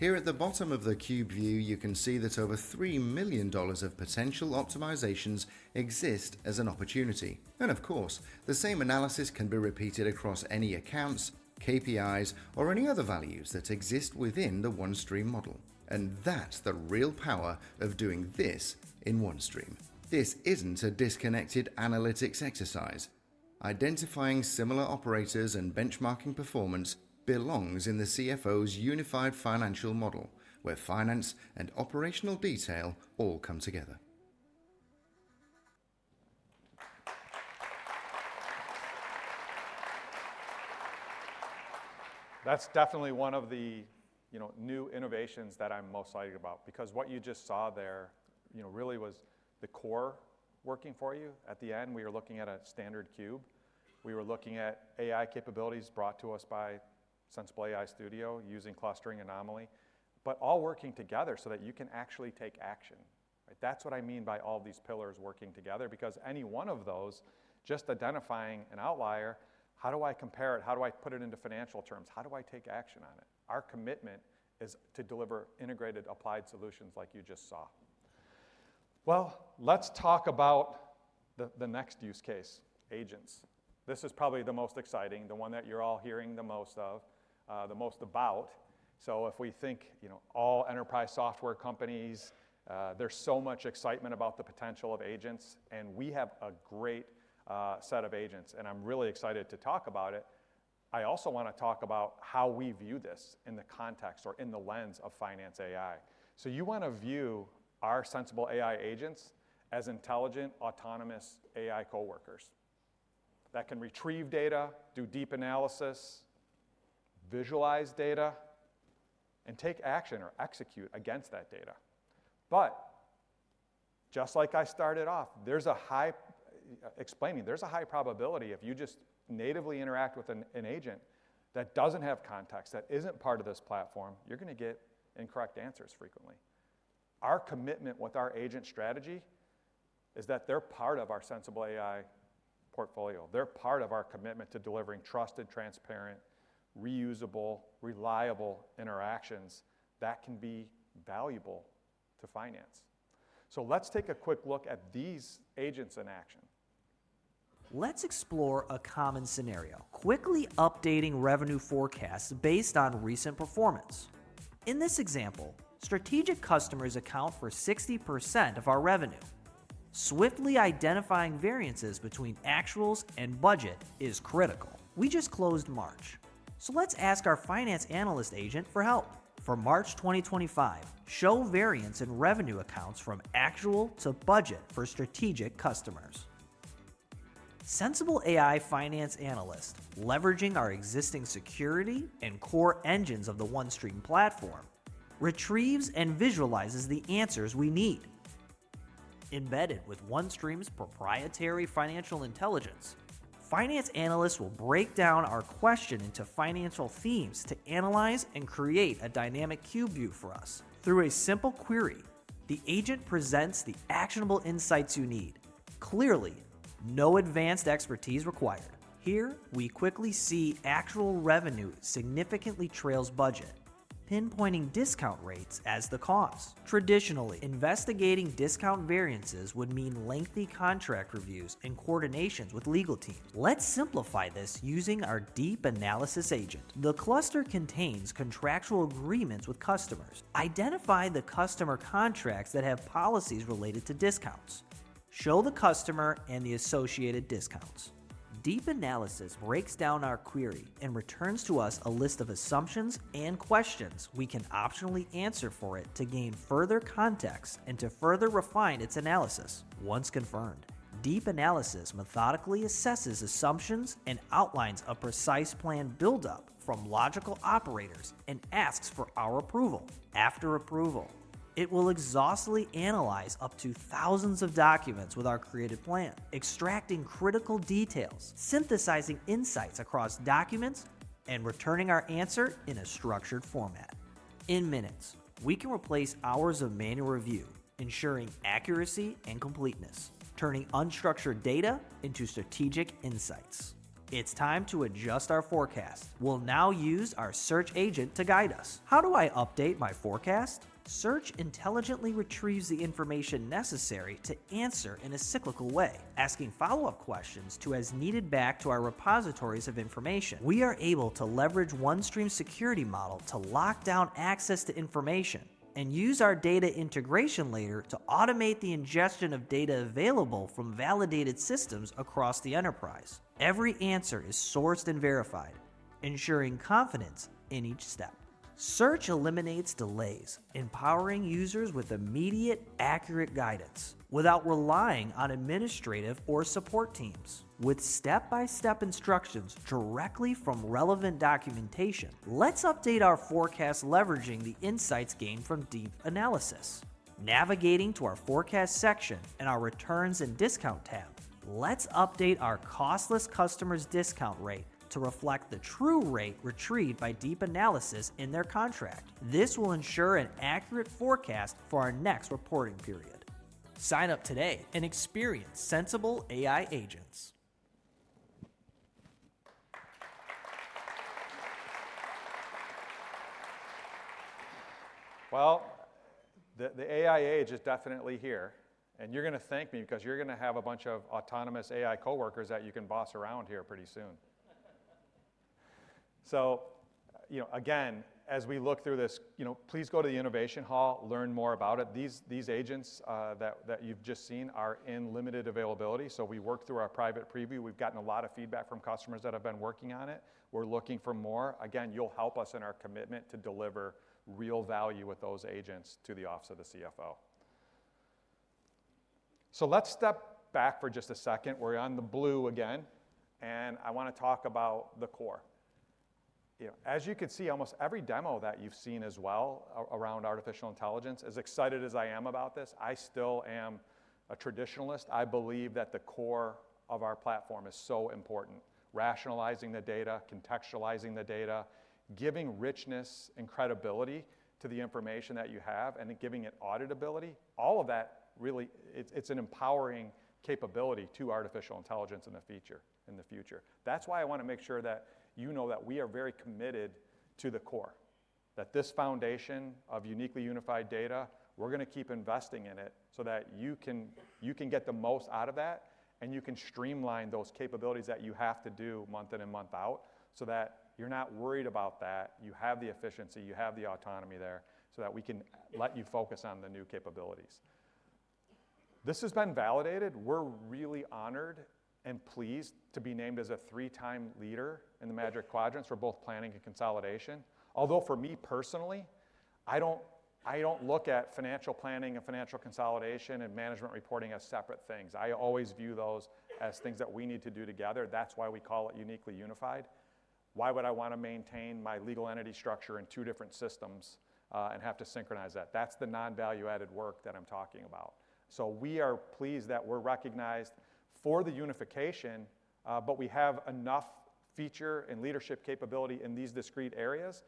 Here at the bottom of the Cube View, you can see that over $3 million of potential optimizations exist as an opportunity. And of course, the same analysis can be repeated across any accounts, KPIs, or any other values that exist within the OneStream model. And that's the real power of doing this in OneStream. This isn't a disconnected analytics exercise. Identifying similar operators and benchmarking performance belongs in the CFO's unified financial model, where finance and operational detail all come together. That's definitely one of the new innovations that I'm most excited about because what you just saw there really was the core working for you. At the end, we were looking at a standard cube. We were looking at AI capabilities brought to us by Sensible AI Studio using clustering anomaly, but all working together so that you can actually take action. That's what I mean by all of these pillars working together because any one of those, just identifying an outlier, how do I compare it? How do I put it into financial terms? How do I take action on it? Our commitment is to deliver integrated applied solutions like you just saw. Well, let's talk about the next use case, agents. This is probably the most exciting, the one that you're all hearing the most of, the most about. So if we think all enterprise software companies, there's so much excitement about the potential of agents, and we have a great set of agents, and I'm really excited to talk about it. I also want to talk about how we view this in the context or in the lens of finance AI. So you want to view our Sensible AI Agents as intelligent, autonomous AI coworkers that can retrieve data, do Deep Analysis, visualize data, and take action or execute against that data. But just like I started off, there's a high explaining. There's a high probability if you just natively interact with an agent that doesn't have context, that isn't part of this platform, you're going to get incorrect answers frequently. Our commitment with our agent strategy is that they're part of our Sensible AI portfolio. They're part of our commitment to delivering trusted, transparent, reusable, reliable interactions that can be valuable to finance. So let's take a quick look at these agents in action. Let's explore a common scenario: quickly updating revenue forecasts based on recent performance. In this example, strategic customers account for 60% of our revenue. Swiftly identifying variances between actuals and budget is critical. We just closed March, so let's ask our finance analyst agent for help. For March 2025, show variance in revenue accounts from actual to budget for strategic customers. Sensible AI Finance Analyst, leveraging our existing security and core engines of the OneStream platform, retrieves and visualizes the answers we need. Embedded with OneStream's proprietary financial intelligence, finance analysts will break down our question into financial themes to analyze and create a dynamic cube view for us. Through a simple query, the agent presents the actionable insights you need, clearly, no advanced expertise required. Here, we quickly see actual revenue significantly trails budget, pinpointing discount rates as the cause. Traditionally, investigating discount variances would mean lengthy contract reviews and coordinations with legal teams. Let's simplify this using our Deep Analysis agent. The cluster contains contractual agreements with customers. Identify the customer contracts that have policies related to discounts. Show the customer and the associated discounts. Deep Analysis breaks down our query and returns to us a list of assumptions and questions we can optionally answer for it to gain further context and to further refine its analysis. Once confirmed, Deep Analysis methodically assesses assumptions and outlines a precise plan buildup from logical operators and asks for our approval. After approval, it will exhaustively analyze up to thousands of documents with our created plan, extracting critical details, synthesizing insights across documents, and returning our answer in a structured format. In minutes, we can replace hours of manual review, ensuring accuracy and completeness, turning unstructured data into strategic insights. It's time to adjust our forecast. We'll now use our search agent to guide us. How do I update my forecast? Search intelligently retrieves the information necessary to answer in a cyclical way, asking follow-up questions as needed back to our repositories of information. We are able to leverage OneStream's security model to lock down access to information and use our data integration layer to automate the ingestion of data available from validated systems across the enterprise. Every answer is sourced and verified, ensuring confidence in each step. Search eliminates delays, empowering users with immediate, accurate guidance without relying on administrative or support teams. With step-by-step instructions directly from relevant documentation, let's update our forecast leveraging the insights gained from Deep Analysis. Navigating to our forecast section and our returns and discount tab, let's update our costless customer's discount rate to reflect the true rate retrieved by Deep Analysis in their contract. This will ensure an accurate forecast for our next reporting period. Sign up today and experience Sensible AI Agents. The AI age is definitely here, and you're going to thank me because you're going to have a bunch of autonomous AI coworkers that you can boss around here pretty soon. So again, as we look through this, please go to the Innovation Hall, learn more about it. These agents that you've just seen are in limited availability, so we work through our private preview. We've gotten a lot of feedback from customers that have been working on it. We're looking for more. Again, you'll help us in our commitment to deliver real value with those agents to the office of the CFO. So let's step back for just a second. We're on the blue again, and I want to talk about the core. As you can see, almost every demo that you've seen as well around artificial intelligence, as excited as I am about this, I still am a traditionalist. I believe that the core of our platform is so important: rationalizing the data, contextualizing the data, giving richness and credibility to the information that you have, and giving it auditability. All of that, really, it's an empowering capability to artificial intelligence in the future. That's why I want to make sure that you know that we are very committed to the core, that this foundation of uniquely unified data, we're going to keep investing in it so that you can get the most out of that, and you can streamline those capabilities that you have to do month in and month out so that you're not worried about that. You have the efficiency, you have the autonomy there so that we can let you focus on the new capabilities. This has been validated. We're really honored and pleased to be named as a three-time leader in the Magic Quadrants for both planning and consolidation. Although for me personally, I don't look at financial planning and financial consolidation and management reporting as separate things. I always view those as things that we need to do together. That's why we call it uniquely unified. Why would I want to maintain my legal entity structure in two different systems and have to synchronize that? That's the non-value-added work that I'm talking about. So we are pleased that we're recognized for the unification, but we have enough feature and leadership capability in these discrete areas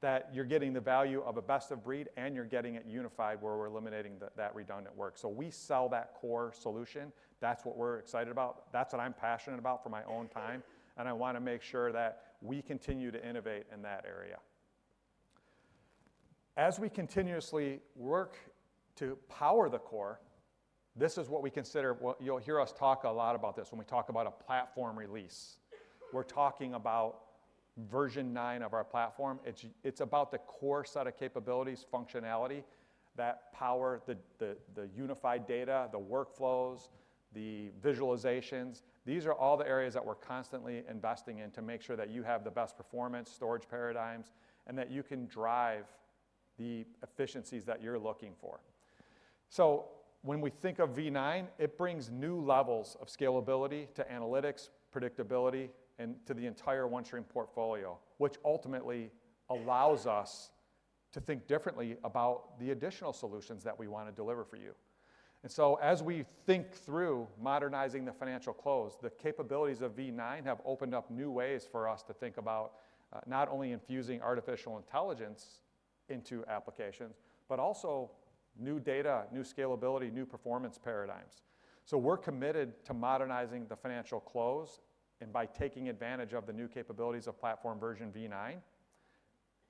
that you're getting the value of a best of breed, and you're getting it unified where we're eliminating that redundant work. So we sell that core solution. That's what we're excited about. That's what I'm passionate about for my own time, and I want to make sure that we continue to innovate in that area. As we continuously work to power the core, this is what we consider. You'll hear us talk a lot about this when we talk about a platform release. We're talking about version nine of our platform. It's about the core set of capabilities, functionality that power the unified data, the workflows, the visualizations. These are all the areas that we're constantly investing in to make sure that you have the best performance, storage paradigms, and that you can drive the efficiencies that you're looking for, so when we think of V9, it brings new levels of scalability to analytics, predictability, and to the entire OneStream portfolio, which ultimately allows us to think differently about the additional solutions that we want to deliver for you. And so as we think through modernizing the financial close, the capabilities of V9 have opened up new ways for us to think about not only infusing artificial intelligence into applications, but also new data, new scalability, new performance paradigms. So we're committed to modernizing the financial close and by taking advantage of the new capabilities of platform version V9.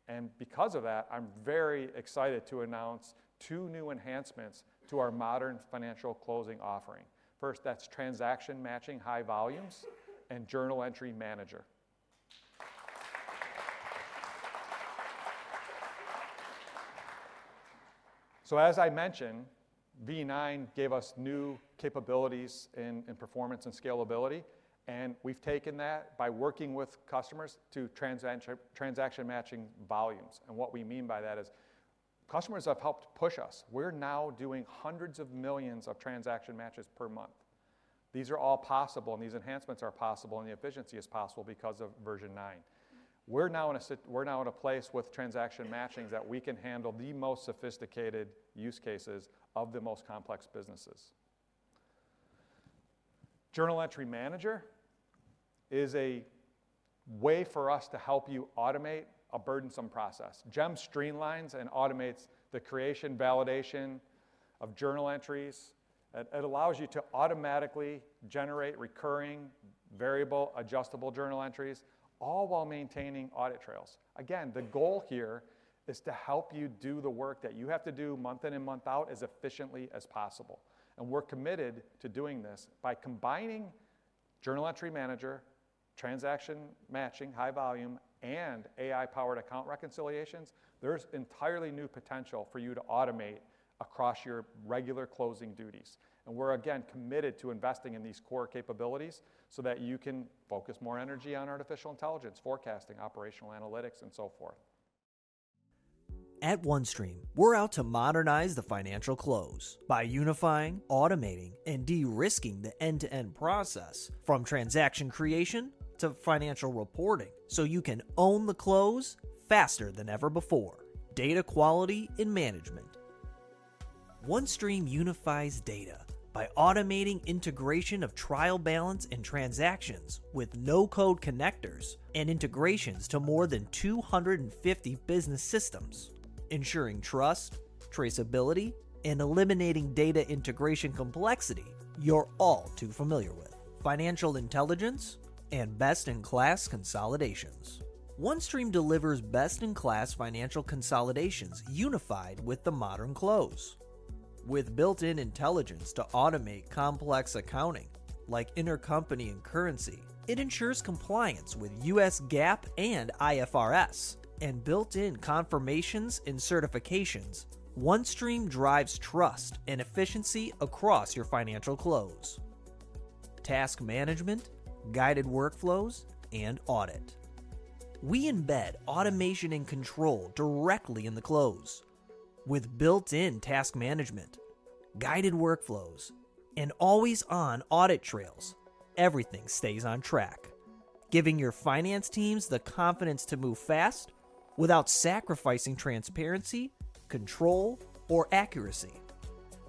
And because of that, I'm very excited to announce two new enhancements to our modern financial closing offering. First, that's Transaction Matching high volumes and Journal Entry Manager, so as I mentioned, V9 gave us new capabilities in performance and scalability, and we've taken that by working with customers to Transaction Matching volumes, and what we mean by that is customers have helped push us. We're now doing hundreds of millions of transaction matches per month. These are all possible, and these enhancements are possible, and the efficiency is possible because of version nine. We're now in a place with Transaction Matching that we can handle the most sophisticated use cases of the most complex businesses. Journal Entry Manager is a way for us to help you automate a burdensome process. JEM streamlines and automates the creation, validation of journal entries. It allows you to automatically generate recurring, variable, adjustable journal entries, all while maintaining audit trails. Again, the goal here is to help you do the work that you have to do month in and month out as efficiently as possible. And we're committed to doing this by combining Journal Entry Manager, Transaction Matching, high volume, and AI-powered Account Reconciliations. There's entirely new potential for you to automate across your regular closing duties. And we're, again, committed to investing in these core capabilities so that you can focus more energy on artificial intelligence, forecasting, operational analytics, and so forth. At OneStream, we're out to modernize the financial close by unifying, automating, and de-risking the end-to-end process from transaction creation to financial reporting so you can own the close faster than ever before. Data quality in management. OneStream unifies data by automating integration of trial balance and transactions with no-code connectors and integrations to more than 250 business systems, ensuring trust, traceability, and eliminating data integration complexity you're all too familiar with. Financial intelligence and best-in-class consolidations. OneStream delivers best-in-class financial consolidations unified with the modern close. With built-in intelligence to automate complex accounting like intercompany and currency, it ensures compliance with US GAAP and IFRS and built-in confirmations and certifications. OneStream drives trust and efficiency across your financial close. Task management, guided workflows, and audit. We embed automation and control directly in the close. With built-in task management, guided workflows, and always-on audit trails, everything stays on track, giving your finance teams the confidence to move fast without sacrificing transparency, control, or accuracy.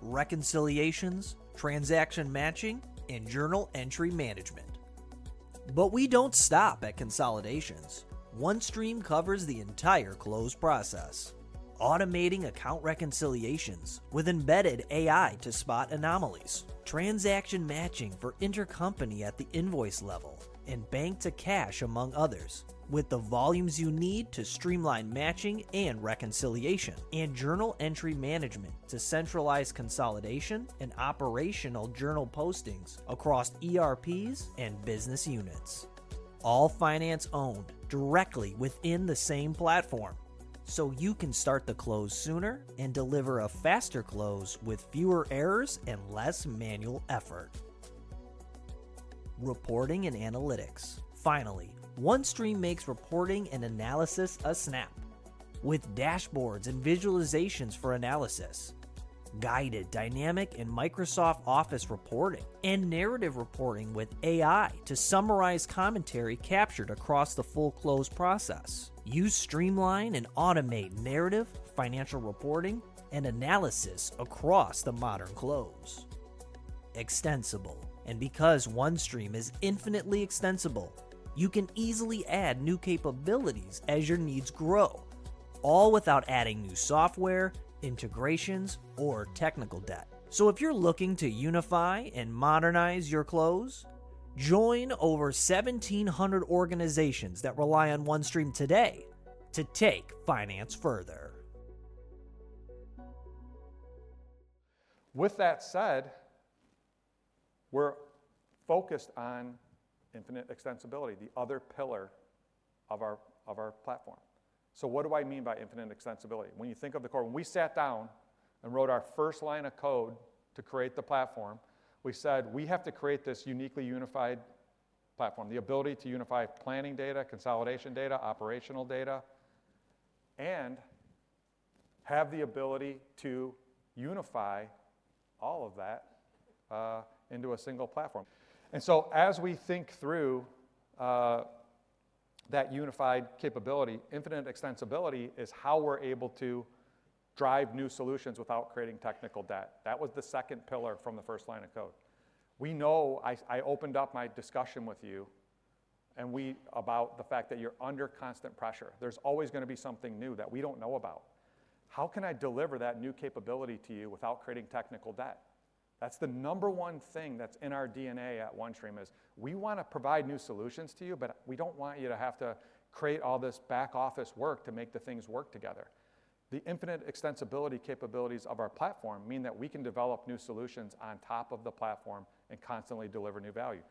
Reconciliations, transaction matching, and journal entry management. But we don't stop at consolidations. OneStream covers the entire close process, automating account reconciliations with embedded AI to spot anomalies, transaction matching for intercompany at the invoice level, and bank to cash, among others, with the volumes you need to streamline matching and reconciliation and journal entry management to centralize consolidation and operational journal postings across ERPs and business units. All finance owned directly within the same platform so you can start the close sooner and deliver a faster close with fewer errors and less manual effort. Reporting and analytics. Finally, OneStream makes reporting and analysis a snap with dashboards and visualizations for analysis, guided dynamic and Microsoft Office reporting, and narrative reporting with AI to summarize commentary captured across the full close process. You streamline and automate narrative, financial reporting, and analysis across the modern close. Extensible. And because OneStream is infinitely extensible, you can easily add new capabilities as your needs grow, all without adding new software, integrations, or technical debt. So if you're looking to unify and modernize your close, join over 1,700 organizations that rely on OneStream today to take finance further. With that said, we're focused on infinite extensibility, the other pillar of our platform. So what do I mean by infinite extensibility? When you think of the core, when we sat down and wrote our first line of code to create the platform, we said, "We have to create this uniquely unified platform, the ability to unify planning data, consolidation data, operational data, and have the ability to unify all of that into a single platform." and so as we think through that unified capability, infinite extensibility is how we're able to drive new solutions without creating technical debt. That was the second pillar from the first line of code. We know I opened up my discussion with you about the fact that you're under constant pressure. There's always going to be something new that we don't know about. How can I deliver that new capability to you without creating technical debt? That's the number one thing that's in our DNA at OneStream: we want to provide new solutions to you, but we don't want you to have to create all this back office work to make the things work together. The infinite extensibility capabilities of our platform mean that we can develop new solutions on top of the platform and constantly deliver new value.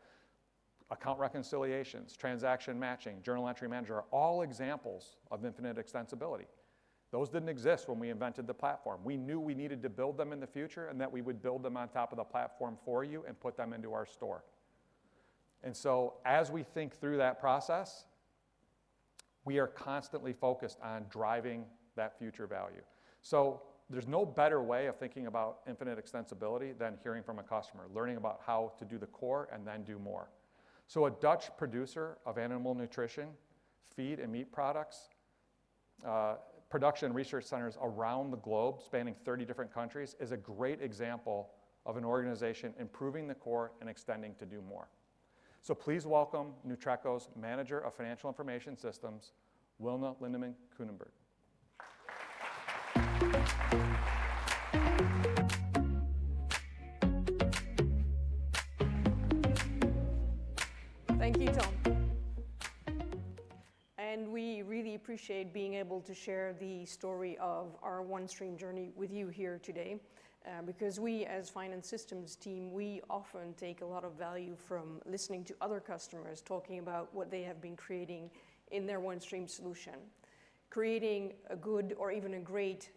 Account Reconciliations, Transaction Matching, Journal Entry Manager are all examples of infinite extensibility. Those didn't exist when we invented the platform. We knew we needed to build them in the future and that we would build them on top of the platform for you and put them into our store, and so as we think through that process, we are constantly focused on driving that future value. So there's no better way of thinking about infinite extensibility than hearing from a customer, learning about how to do the core and then do more. So a Dutch producer of animal nutrition, feed and meat products, production and research centers around the globe spanning 30 different countries is a great example of an organization improving the core and extending to do more. So please welcome Nutreco's Manager of Financial Information Systems, Wilna Lindeman-Kunenborg. Thank you, Tom. And we really appreciate being able to share the story of our OneStream journey with you here today because we, as Finance Systems team, we often take a lot of value from listening to other customers talking about what they have been creating in their OneStream solution. Creating a good or even a great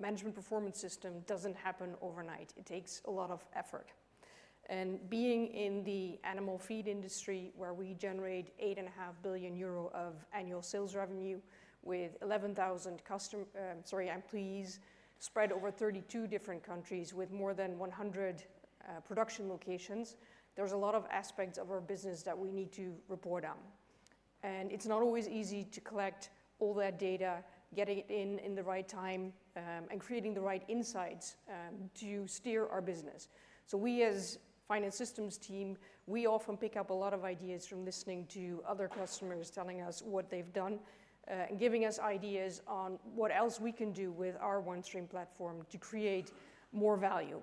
management performance system doesn't happen overnight. It takes a lot of effort. And being in the animal feed industry where we generate 8.5 billion euro of annual sales revenue with 11,000 customers, sorry, employees spread over 32 different countries with more than 100 production locations, there's a lot of aspects of our business that we need to report on. And it's not always easy to collect all that data, getting it in the right time and creating the right insights to steer our business. So we, as Finance Systems team, often pick up a lot of ideas from listening to other customers telling us what they've done and giving us ideas on what else we can do with our OneStream platform to create more value.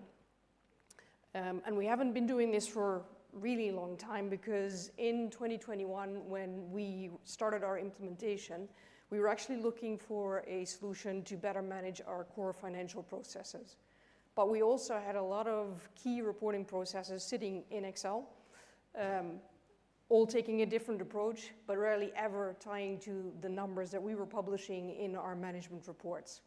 We haven't been doing this for a really long time because in 2021, when we started our implementation, we were actually looking for a solution to better manage our core financial processes. We also had a lot of key reporting processes sitting in Excel, all taking a different approach, but rarely ever tying to the numbers that we were publishing in our management reports.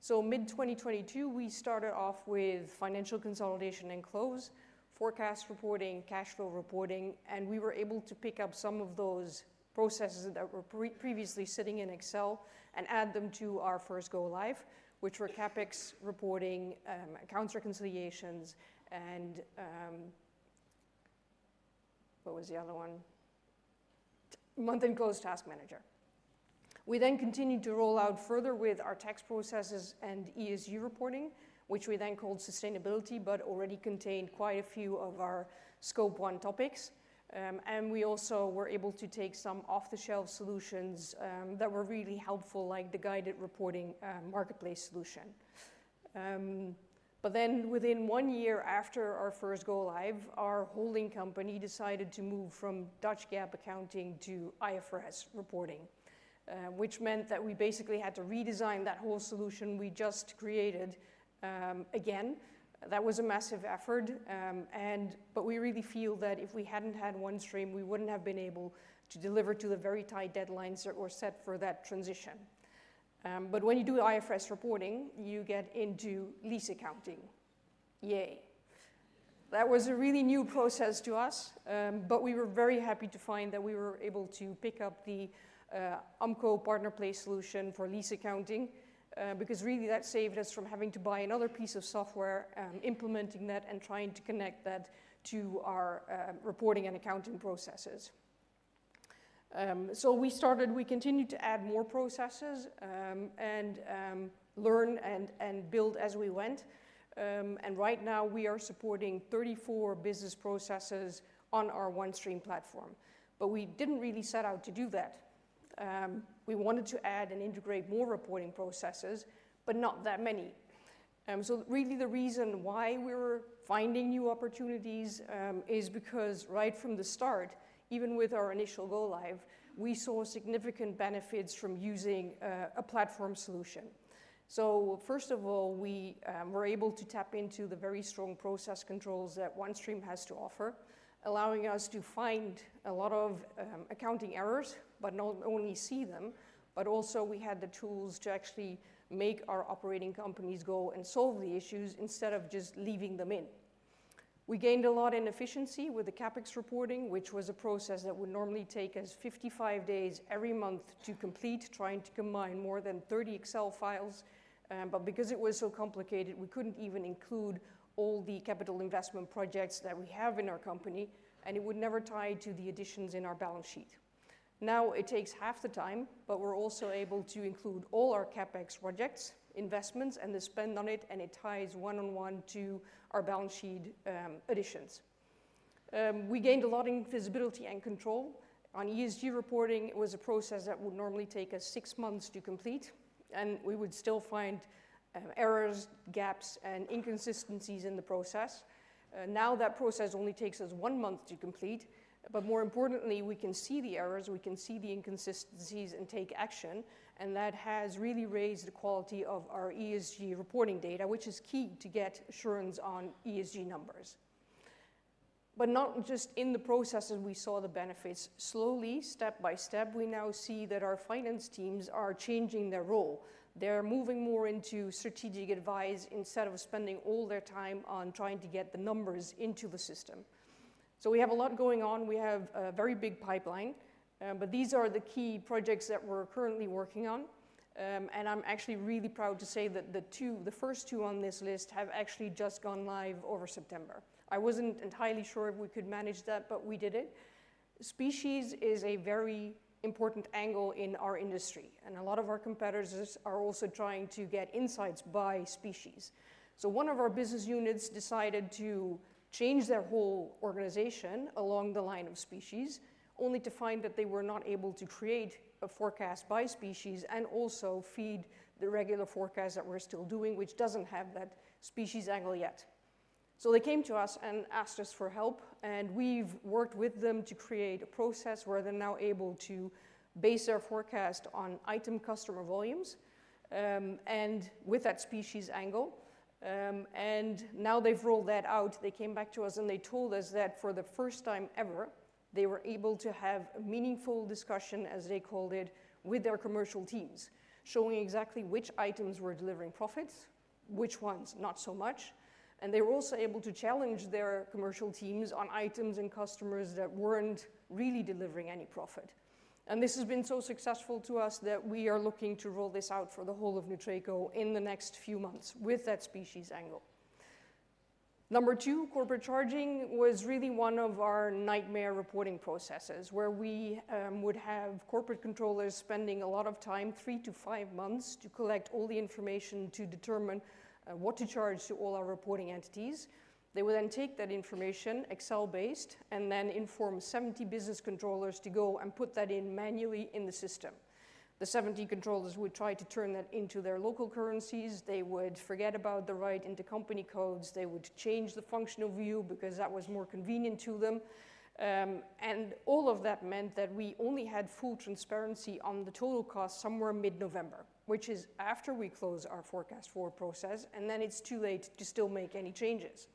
So, mid-2022, we started off with financial consolidation and close, forecast reporting, cash flow reporting, and we were able to pick up some of those processes that were previously sitting in Excel and add them to our first go-live, which were CapEx reporting, Account Reconciliations, and what was the other one? Month-End Close Task Manager. We then continued to roll out further with our tax processes and ESG reporting, which we then called sustainability, but already contained quite a few of our Scope 1 topics, and we also were able to take some off-the-shelf solutions that were really helpful, like the guided reporting marketplace solution, but then within one year after our first go-live, our holding company decided to move from Dutch GAAP accounting to IFRS reporting, which meant that we basically had to redesign that whole solution we just created again. That was a massive effort. But we really feel that if we hadn't had OneStream, we wouldn't have been able to deliver to the very tight deadlines that were set for that transition. But when you do IFRS reporting, you get into lease accounting. Yay. That was a really new process to us, but we were very happy to find that we were able to pick up the AMCO PartnerPlace solution for lease accounting because really that saved us from having to buy another piece of software, implementing that, and trying to connect that to our reporting and accounting processes. So we started. We continued to add more processes and learn and build as we went. And right now, we are supporting 34 business processes on our OneStream platform. But we didn't really set out to do that. We wanted to add and integrate more reporting processes, but not that many. So really the reason why we were finding new opportunities is because right from the start, even with our initial go-live, we saw significant benefits from using a platform solution. So first of all, we were able to tap into the very strong process controls that OneStream has to offer, allowing us to find a lot of accounting errors, but not only see them, but also we had the tools to actually make our operating companies go and solve the issues instead of just leaving them in. We gained a lot in efficiency with the CapEx reporting, which was a process that would normally take us 55 days every month to complete, trying to combine more than 30 Excel files. But because it was so complicated, we couldn't even include all the capital investment projects that we have in our company, and it would never tie to the additions in our balance sheet. Now it takes half the time, but we're also able to include all our CapEx projects, investments, and the spend on it, and it ties one-on-one to our balance sheet additions. We gained a lot in visibility and control. On ESG reporting, it was a process that would normally take us six months to complete, and we would still find errors, gaps, and inconsistencies in the process. Now that process only takes us one month to complete, but more importantly, we can see the errors, we can see the inconsistencies, and take action. And that has really raised the quality of our ESG reporting data, which is key to get assurance on ESG numbers. But not just in the processes, we saw the benefits. Slowly, step by step, we now see that our finance teams are changing their role. They're moving more into strategic advice instead of spending all their time on trying to get the numbers into the system. So we have a lot going on. We have a very big pipeline, but these are the key projects that we're currently working on. And I'm actually really proud to say that the first two on this list have actually just gone live over September. I wasn't entirely sure if we could manage that, but we did it. Species is a very important angle in our industry, and a lot of our competitors are also trying to get insights by species. So one of our business units decided to change their whole organization along the line of species, only to find that they were not able to create a forecast by species and also feed the regular forecast that we're still doing, which doesn't have that species angle yet. So they came to us and asked us for help, and we've worked with them to create a process where they're now able to base their forecast on item customer volumes and with that species angle. And now they've rolled that out. They came back to us, and they told us that for the first time ever, they were able to have a meaningful discussion, as they called it, with their commercial teams, showing exactly which items were delivering profits, which ones not so much. and they were also able to challenge their commercial teams on items and customers that weren't really delivering any profit. and this has been so successful to us that we are looking to roll this out for the whole of Nutreco in the next few months with that species angle. Number two, corporate charging was really one of our nightmare reporting processes where we would have corporate controllers spending a lot of time, three-to-five months, to collect all the information to determine what to charge to all our reporting entities. They would then take that information, Excel-based, and then inform 70 business controllers to go and put that in manually in the system. The 70 controllers would try to turn that into their local currencies. They would forget about the right intercompany codes. They would change the functional view because that was more convenient to them. And all of that meant that we only had full transparency on the total cost somewhere mid-November, which is after we close our forecast forward process, and then it's too late to still make any changes,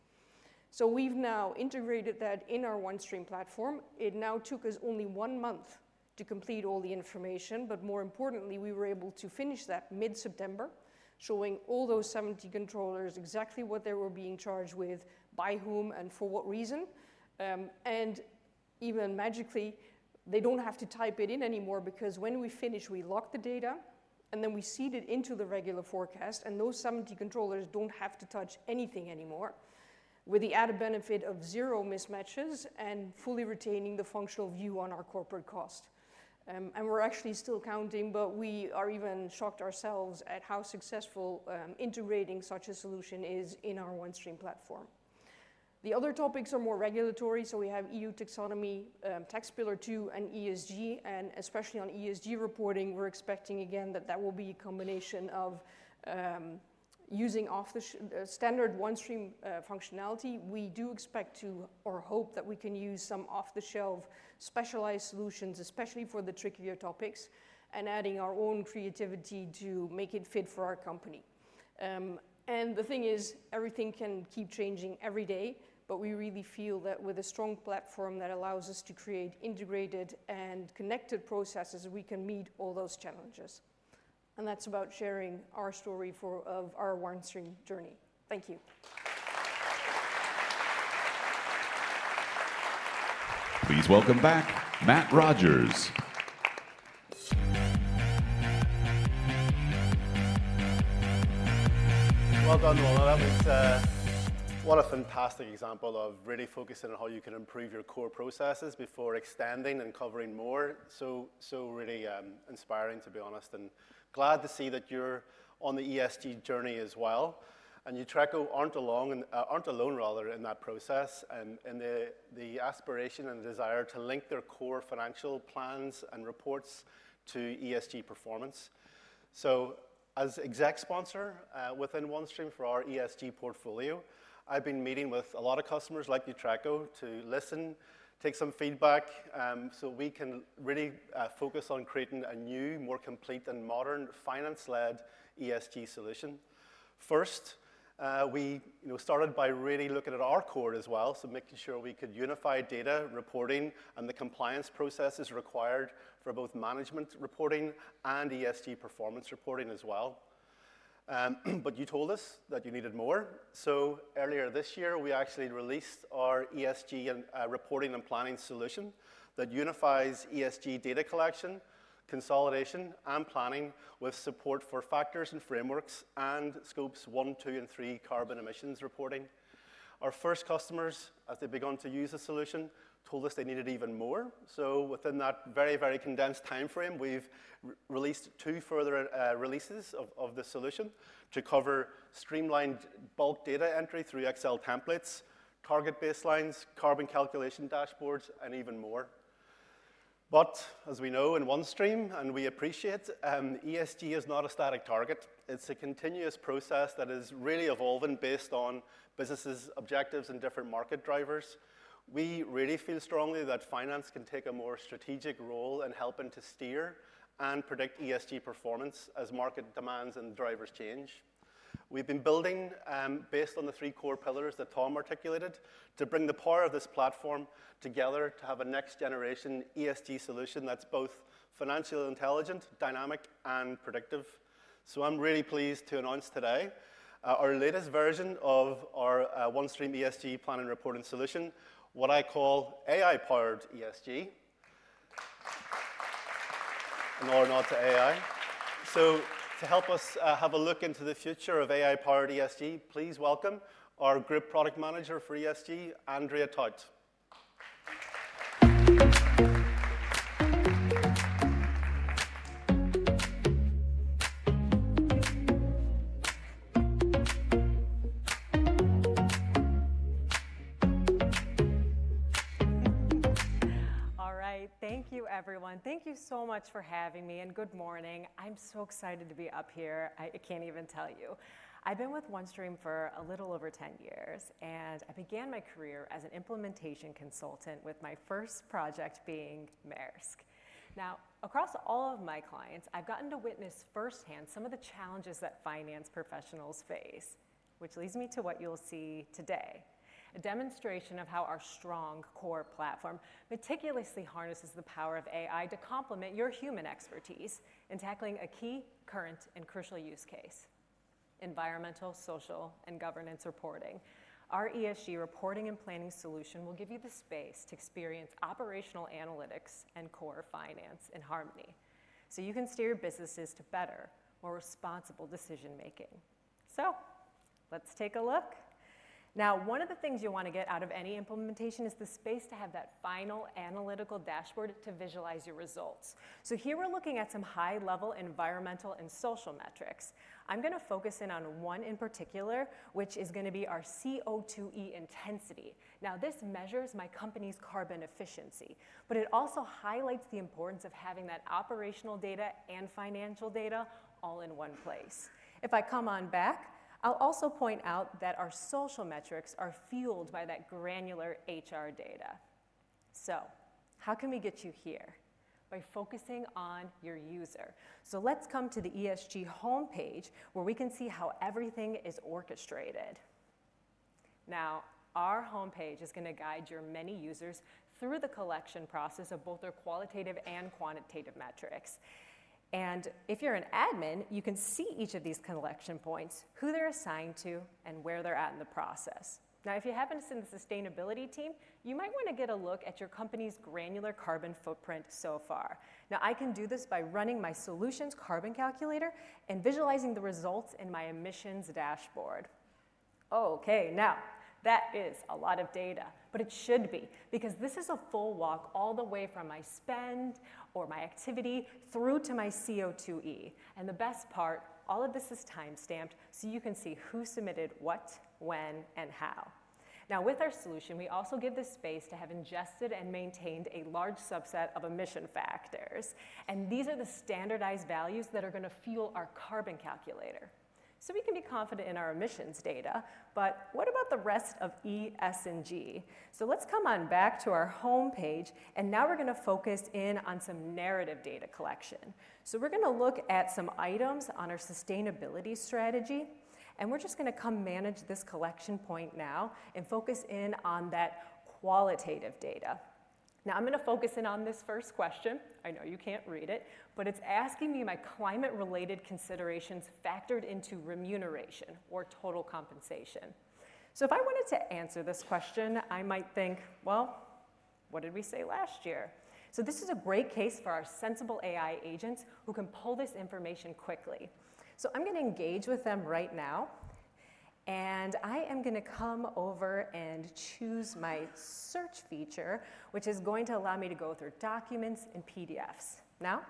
so we've now integrated that in our OneStream platform. It now took us only one month to complete all the information, but more importantly, we were able to finish that mid-September, showing all those 70 controllers exactly what they were being charged with, by whom, and for what reason, and even magically, they don't have to type it in anymore because when we finish, we lock the data, and then we seed it into the regular forecast, and those 70 controllers don't have to touch anything anymore with the added benefit of zero mismatches and fully retaining the functional view on our corporate cost. And we're actually still counting, but we are even shocked ourselves at how successful integrating such a solution is in our OneStream platform. The other topics are more regulatory. So we have EU Taxonomy, ayer two, and ESG, and especially on ESG reporting, we're expecting again that that will be a combination of using standard OneStream functionality. We do expect to, or hope that we can use some off-the-shelf specialized solutions, especially for the trickier topics, and adding our own creativity to make it fit for our company. And the thing is, everything can keep changing every day, but we really feel that with a strong platform that allows us to create integrated and connected processes, we can meet all those challenges. And that's about sharing our story of our OneStream journey. Thank you. Please welcome back Matt Rogers. Welcome, Wilna. That was what a fantastic example of really focusing on how you can improve your core processes before extending and covering more. So really inspiring, to be honest, and glad to see that you're on the ESG journey as well. And Nutreco aren't alone, rather, in that process, and the aspiration and desire to link their core financial plans and reports to ESG performance. So as exec sponsor within OneStream for our ESG portfolio, I've been meeting with a lot of customers like Nutreco to listen, take some feedback, so we can really focus on creating a new, more complete, and modern finance-led ESG solution. First, we started by really looking at our core as well, so making sure we could unify data reporting and the compliance processes required for both management reporting and ESG performance reporting as well. But you told us that you needed more. So earlier this year, we actually released our ESG reporting and planning solution that unifies ESG data collection, consolidation, and planning with support for factors and frameworks and scopes one, two, and three carbon emissions reporting. Our first customers, as they began to use the solution, told us they needed even more. So within that very, very condensed timeframe, we've released two further releases of the solution to cover streamlined bulk data entry through Excel templates, target baselines, carbon calculation dashboards, and even more. But as we know in OneStream, and we appreciate, ESG is not a static target. It's a continuous process that is really evolving based on businesses' objectives and different market drivers. We really feel strongly that finance can take a more strategic role in helping to steer and predict ESG performance as market demands and drivers change. We've been building based on the three core pillars that Tom articulated to bring the power of this platform together to have a next-generation ESG solution that's both financially intelligent, dynamic, and predictive, so I'm really pleased to announce today our latest version of our OneStream ESG plan and reporting solution, what I call AI-powered ESG, an all or not to AI, so to help us have a look into the future of AI-powered ESG, please welcome our Group Product Manager for ESG, Andrea Tout. All right. Thank you, everyone. Thank you so much for having me, and good morning. I'm so excited to be up here. I can't even tell you. I've been with OneStream for a little over 10 years, and I began my career as an implementation consultant, with my first project being Maersk. Now, across all of my clients, I've gotten to witness firsthand some of the challenges that finance professionals face, which leads me to what you'll see today: a demonstration of how our strong core platform meticulously harnesses the power of AI to complement your human expertise in tackling a key, current, and crucial use case: environmental, social, and governance reporting. Our ESG reporting and planning solution will give you the space to experience operational analytics and core finance in harmony so you can steer your businesses to better, more responsible decision-making. So let's take a look. Now, one of the things you want to get out of any implementation is the space to have that final analytical dashboard to visualize your results. So here we're looking at some high-level environmental and social metrics. I'm going to focus in on one in particular, which is going to be our CO2e intensity. Now, this measures my company's carbon efficiency, but it also highlights the importance of having that operational data and financial data all in one place. If I come on back, I'll also point out that our social metrics are fueled by that granular HR data. So how can we get you here? By focusing on your user. So let's come to the ESG homepage, where we can see how everything is orchestrated. Now, our homepage is going to guide your many users through the collection process of both their qualitative and quantitative metrics. If you're an admin, you can see each of these collection points, who they're assigned to, and where they're at in the process. Now, if you happen to sit in the sustainability team, you might want to get a look at your company's granular carbon footprint so far. Now, I can do this by running my solutions carbon calculator and visualizing the results in my emissions dashboard. Okay. Now, that is a lot of data, but it should be because this is a full walk all the way from my spend or my activity through to my CO2e. And the best part, all of this is timestamped so you can see who submitted what, when, and how. Now, with our solution, we also give the space to have ingested and maintained a large subset of emission factors. And these are the standardized values that are going to fuel our carbon calculator. So we can be confident in our emissions data, but what about the rest of E, S, and G? So let's come on back to our homepage, and now we're going to focus in on some narrative data collection. So we're going to look at some items on our sustainability strategy, and we're just going to come manage this collection point now and focus in on that qualitative data. Now, I'm going to focus in on this first question. I know you can't read it, but it's asking me my climate-related considerations factored into remuneration or total compensation. So if I wanted to answer this question, I might think, "Well, what did we say last year?" So this is a great case for our Sensible AI Agents who can pull this information quickly. So I'm going to engage with them right now, and I am going to come over and choose my search feature, which is going to allow me to go through documents and PDFs. Now,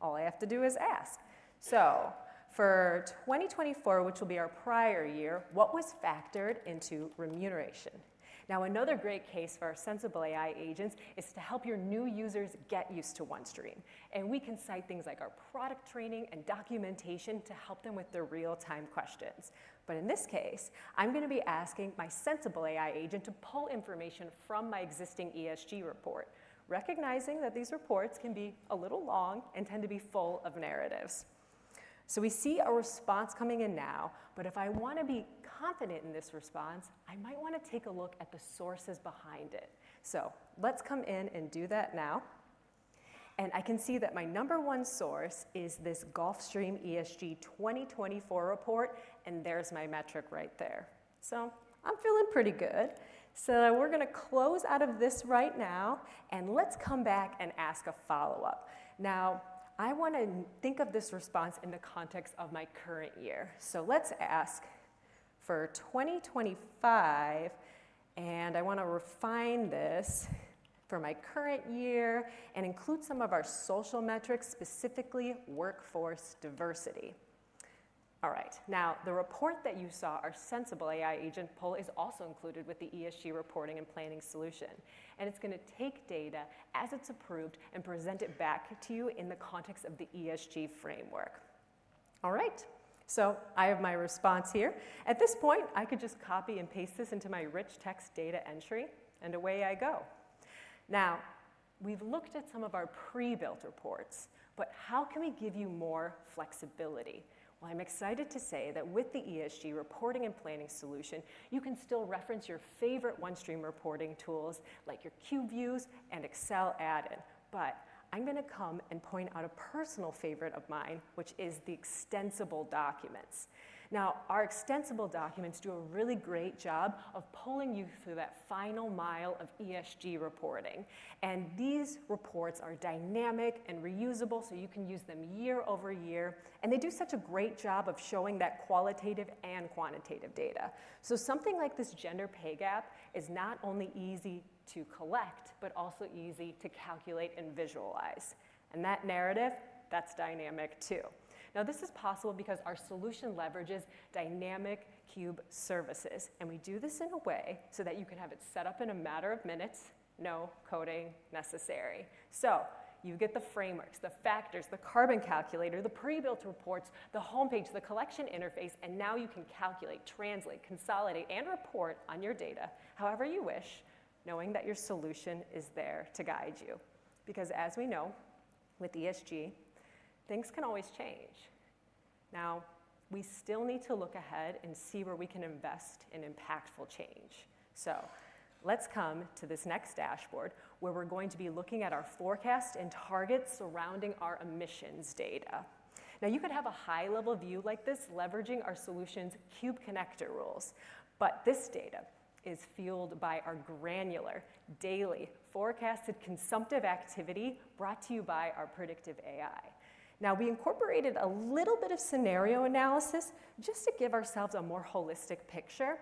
all I have to do is ask. So for 2024, which will be our prior year, what was factored into remuneration? Now, another great case for our Sensible AI Agents is to help your new users get used to OneStream. And we can cite things like our product training and documentation to help them with their real-time questions. But in this case, I'm going to be asking my Sensible AI Agent to pull information from my existing ESG report, recognizing that these reports can be a little long and tend to be full of narratives. So we see a response coming in now, but if I want to be confident in this response, I might want to take a look at the sources behind it. So let's come in and do that now. And I can see that my number one source is this GolfStream ESG 2024 report, and there's my metric right there. So I'm feeling pretty good. So we're going to close out of this right now, and let's come back and ask a follow-up. Now, I want to think of this response in the context of my current year. So let's ask for 2025, and I want to refine this for my current year and include some of our social metrics, specifically workforce diversity. All right. Now, the report that you saw, our Sensible AI agent portal, is also included with the ESG reporting and planning solution, and it's going to take data as it's approved and present it back to you in the context of the ESG framework. All right. So I have my response here. At this point, I could just copy and paste this into my rich text data entry, and away I go. Now, we've looked at some of our pre-built reports, but how can we give you more flexibility? Well, I'm excited to say that with the ESG reporting and planning solution, you can still reference your favorite OneStream reporting tools like your Cube Views and Excel add-in. But I'm going to come and point out a personal favorite of mine, which is the Extensible Documents. Now, our Extensible Documents do a really great job of pulling you through that final mile of ESG reporting, and these reports are dynamic and reusable, so you can use them year over year, and they do such a great job of showing that qualitative and quantitative data, so something like this gender pay gap is not only easy to collect, but also easy to calculate and visualize, and that narrative, that's dynamic too. Now, this is possible because our solution leverages Dynamic Cube Services, and we do this in a way so that you can have it set up in a matter of minutes, no coding necessary, so you get the frameworks, the factors, the carbon calculator, the pre-built reports, the homepage, the collection interface, and now you can calculate, translate, consolidate, and report on your data however you wish, knowing that your solution is there to guide you. Because as we know, with ESG, things can always change, now we still need to look ahead and see where we can invest in impactful change, so let's come to this next dashboard where we're going to be looking at our forecast and targets surrounding our emissions data, now you could have a high-level view like this leveraging our solution's cube connector rules, but this data is fueled by our granular daily forecasted consumptive activity brought to you by our predictive AI, now we incorporated a little bit of scenario analysis just to give ourselves a more holistic picture,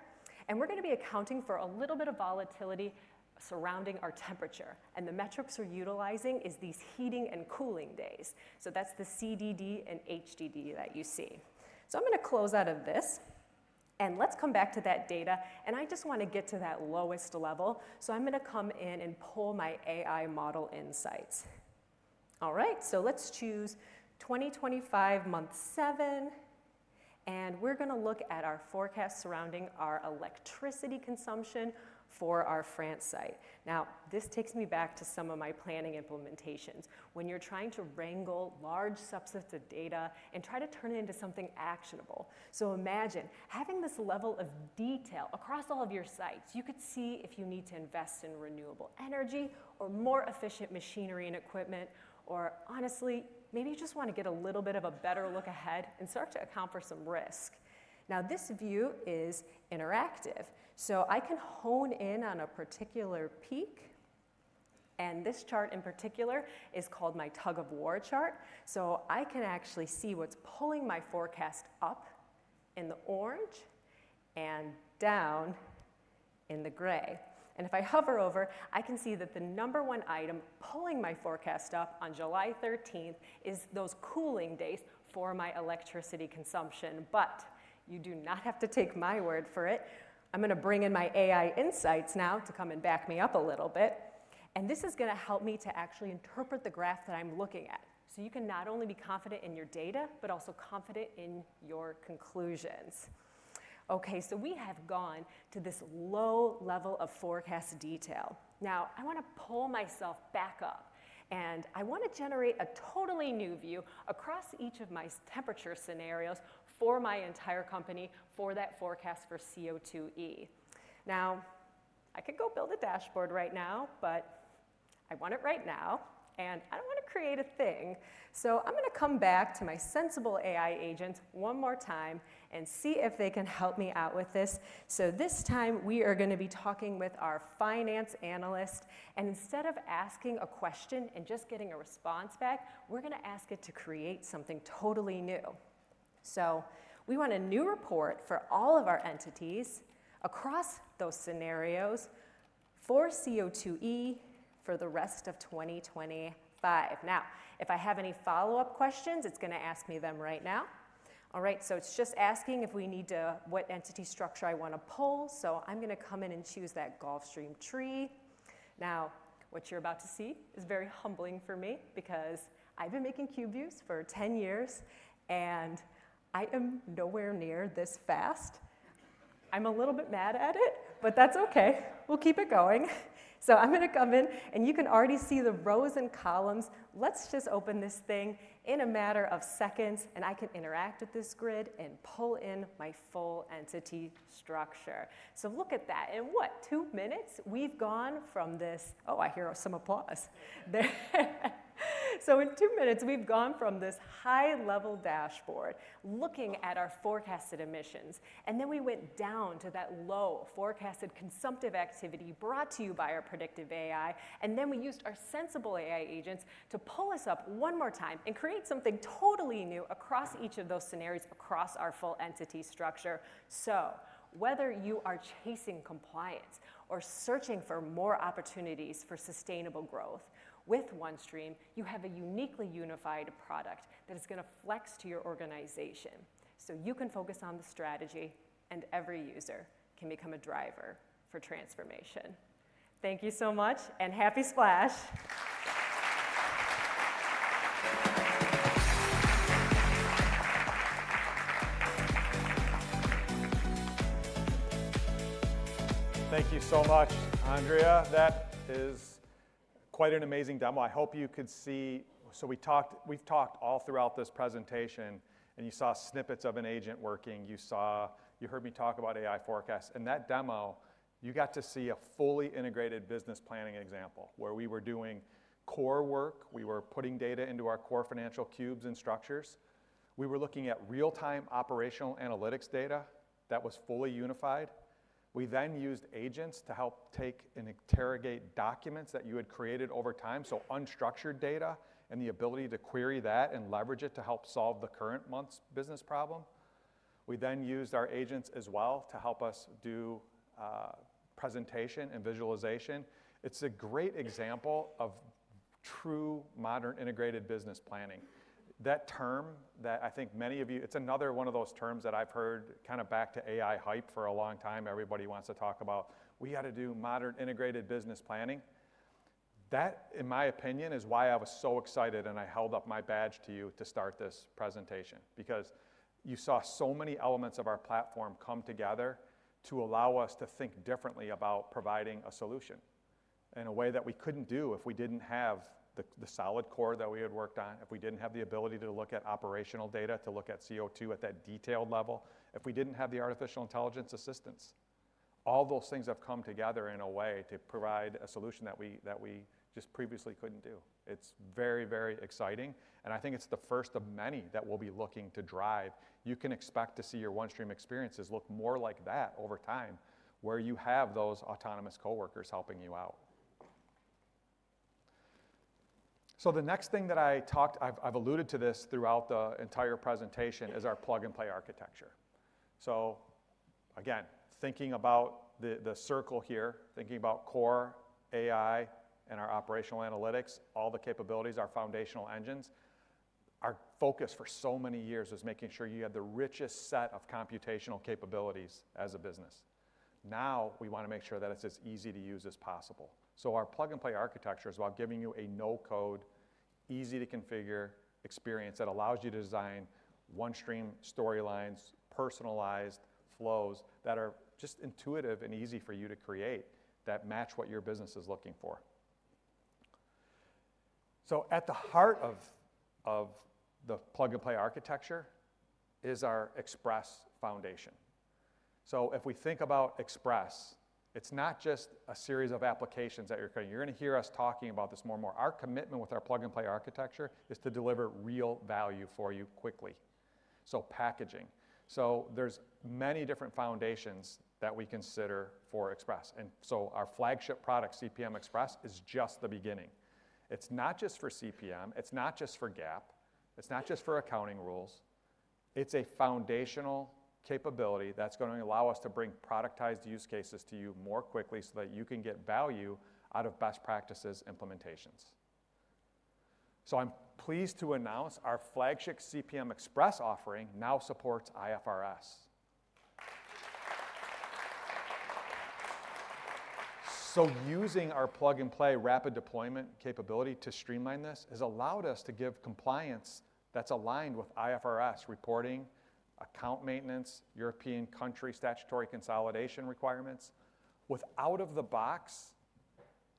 and we're going to be accounting for a little bit of volatility surrounding our temperature, and the metrics we're utilizing are these heating and cooling days, so that's the CDD and HDD that you see, so I'm going to close out of this, and let's come back to that data. And I just want to get to that lowest level. So I'm going to come in and pull my AI model insights. All right. So let's choose 2025 month seven, and we're going to look at our forecast surrounding our electricity consumption for our France site. Now, this takes me back to some of my planning implementations when you're trying to wrangle large subsets of data and try to turn it into something actionable. So imagine having this level of detail across all of your sites. You could see if you need to invest in renewable energy or more efficient machinery and equipment, or honestly, maybe you just want to get a little bit of a better look ahead and start to account for some risk. Now, this view is interactive, so I can hone in on a particular peak. And this chart in particular is called my tug-of-war chart. So I can actually see what's pulling my forecast up in the orange and down in the gray. And if I hover over, I can see that the number one item pulling my forecast up on July 13th is those cooling days for my electricity consumption. But you do not have to take my word for it. I'm going to bring in my AI insights now to come and back me up a little bit. And this is going to help me to actually interpret the graph that I'm looking at so you can not only be confident in your data, but also confident in your conclusions. Okay. So we have gone to this low level of forecast detail. Now, I want to pull myself back up, and I want to generate a totally new view across each of my temperature scenarios for my entire company for that forecast for CO2e. Now, I could go build a dashboard right now, but I want it right now, and I don't want to create a thing, so I'm going to come back to my Sensible AI agent one more time and see if they can help me out with this, so this time, we are going to be talking with our Finance Analyst, and instead of asking a question and just getting a response back, we're going to ask it to create something totally new, so we want a new report for all of our entities across those scenarios for CO2e for the rest of 2025. Now, if I have any follow-up questions, it's going to ask me them right now. All right. So it's just asking if we need to what entity structure I want to pull. So I'm going to come in and choose that GolfStream tree. Now, what you're about to see is very humbling for me because I've been making cube views for 10 years, and I am nowhere near this fast. I'm a little bit mad at it, but that's okay. We'll keep it going. So I'm going to come in, and you can already see the rows and columns. Let's just open this thing in a matter of seconds, and I can interact with this grid and pull in my full entity structure. So look at that. In what? Two minutes, we've gone from this. Oh, I hear some applause. So in two minutes, we've gone from this high-level dashboard looking at our forecasted emissions, and then we went down to that low forecasted consumptive activity brought to you by our predictive AI, and then we used our Sensible AI Agents to pull us up one more time and create something totally new across each of those scenarios across our full entity structure, so whether you are chasing compliance or searching for more opportunities for sustainable growth with OneStream, you have a uniquely unified product that is going to flex to your organization so you can focus on the strategy, and every user can become a driver for transformation. Thank you so much, and happy Splash. Thank you so much, Andrea. That is quite an amazing demo. I hope you could see, so we've talked all throughout this presentation, and you saw snippets of an agent working. You heard me talk about AI forecasts. In that demo, you got to see a fully integrated business planning example where we were doing core work. We were putting data into our core financial cubes and structures. We were looking at real-time operational analytics data that was fully unified. We then used agents to help take and interrogate documents that you had created over time, so unstructured data and the ability to query that and leverage it to help solve the current month's business problem. We then used our agents as well to help us do presentation and visualization. It's a great example of true modern integrated business planning. That term that I think many of you, it's another one of those terms that I've heard kind of back to AI hype for a long time. Everybody wants to talk about, "We got to do modern integrated business planning." That, in my opinion, is why I was so excited, and I held up my badge to you to start this presentation because you saw so many elements of our platform come together to allow us to think differently about providing a solution in a way that we couldn't do if we didn't have the solid core that we had worked on, if we didn't have the ability to look at operational data, to look at CO2 at that detailed level, if we didn't have the artificial intelligence assistance. All those things have come together in a way to provide a solution that we just previously couldn't do. It's very, very exciting, and I think it's the first of many that we'll be looking to drive. You can expect to see your OneStream experiences look more like that over time where you have those autonomous coworkers helping you out, so the next thing that I talked, I've alluded to this throughout the entire presentation, is plug-and-play architecture, so again, thinking about the circle here, thinking about core AI and our operational analytics, all the capabilities, our foundational engines. Our focus for so many years was making sure you had the richest set of computational capabilities as a business. Now, we want to make sure that it's as easy to use as possible. So our plug-and-play architecture is about giving you a no-code, easy-to-configure experience that allows you to design OneStream storylines, personalized flows that are just intuitive and easy for you to create that match what your business is looking for. So at the heart of the plug-and-play architecture is our Express foundation. So if we think about Express, it's not just a series of applications that you're going to hear us talking about this more and more. Our commitment with our plug-and-play architecture is to deliver real value for you quickly. So packaging. So there's many different foundations that we consider for Express. And so our flagship product, CPM Express, is just the beginning. It's not just for CPM. It's not just for GAAP. It's not just for accounting rules. It's a foundational capability that's going to allow us to bring productized use cases to you more quickly so that you can get value out of best practices implementations. So I'm pleased to announce our flagship CPM Express offering now supports IFRS. So using our plug-and-play rapid deployment capability to streamline this has allowed us to give compliance that's aligned with IFRS reporting, account maintenance, European country statutory consolidation requirements with out-of-the-box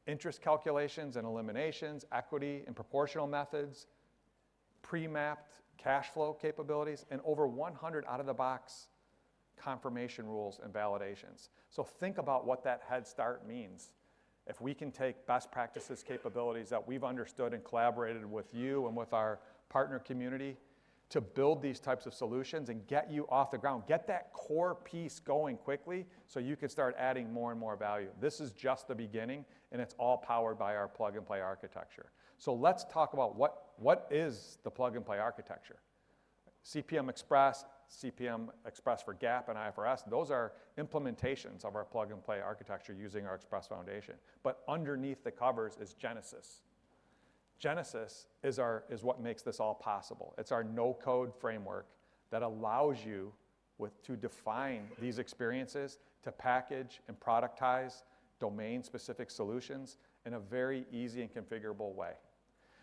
interest calculations and eliminations, equity and proportional methods, pre-mapped cash flow capabilities, and over 100 out-of-the-box confirmation rules and validations. So think about what that head start means. If we can take best practices capabilities that we've understood and collaborated with you and with our partner community to build these types of solutions and get you off the ground, get that core piece going quickly so you can start adding more and more value. This is just the beginning, and it's all powered by our plug-and-play architecture. So let's talk about what is the plug-and-play architecture. CPM Express, CPM Express for GAAP and IFRS, those are implementations of our plug-and-play architecture using our Express foundation. But underneath the covers is Genesis. Genesis is what makes this all possible. It's our no-code framework that allows you to define these experiences to package and productize domain-specific solutions in a very easy and configurable way.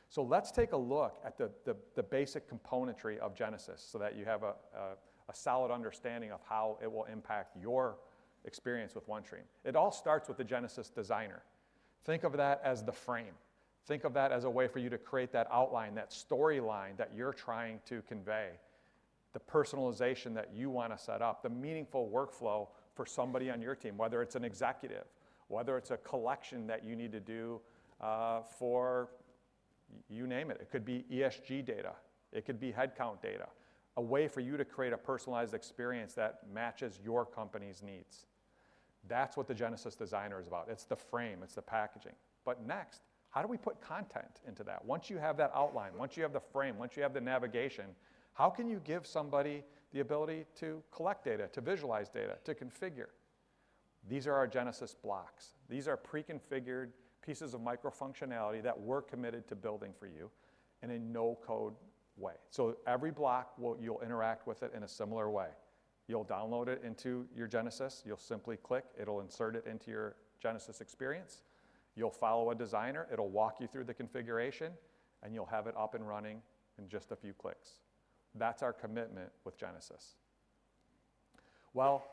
So let's take a look at the basic componentry of Genesis so that you have a solid understanding of how it will impact your experience with OneStream. It all starts with the Genesis Designer. Think of that as the frame. Think of that as a way for you to create that outline, that storyline that you're trying to convey, the personalization that you want to set up, the meaningful workflow for somebody on your team, whether it's an executive, whether it's a collection that you need to do for, you name it. It could be ESG data. It could be headcount data, a way for you to create a personalized experience that matches your company's needs. That's what the Genesis Designer is about. It's the frame. It's the packaging. But next, how do we put content into that? Once you have that outline, once you have the frame, once you have the navigation, how can you give somebody the ability to collect data, to visualize data, to configure? These are our Genesis blocks. These are pre-configured pieces of micro-functionality that we're committed to building for you in a no-code way. So every block, you'll interact with it in a similar way. You'll download it into your Genesis. You'll simply click. It'll insert it into your Genesis experience. You'll follow a designer. It'll walk you through the configuration, and you'll have it up and running in just a few clicks. That's our commitment with Genesis. Well,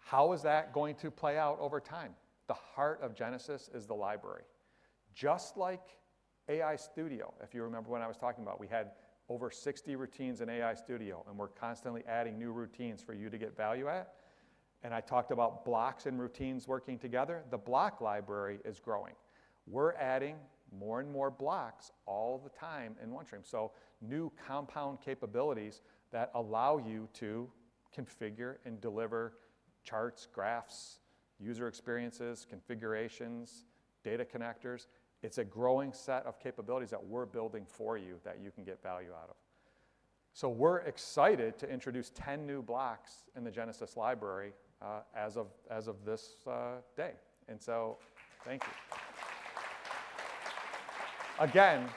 how is that going to play out over time? The heart of Genesis is the library. Just like AI Studio, if you remember when I was talking about, we had over 60 routines in AI Studio, and we're constantly adding new routines for you to get value at. And I talked about blocks and routines working together. The block library is growing. We're adding more and more blocks all the time in OneStream. So new compound capabilities that allow you to configure and deliver charts, graphs, user experiences, configurations, data connectors. It's a growing set of capabilities that we're building for you that you can get value out of. So we're excited to introduce 10 new blocks in the Genesis Library as of this day. And so thank you. Again,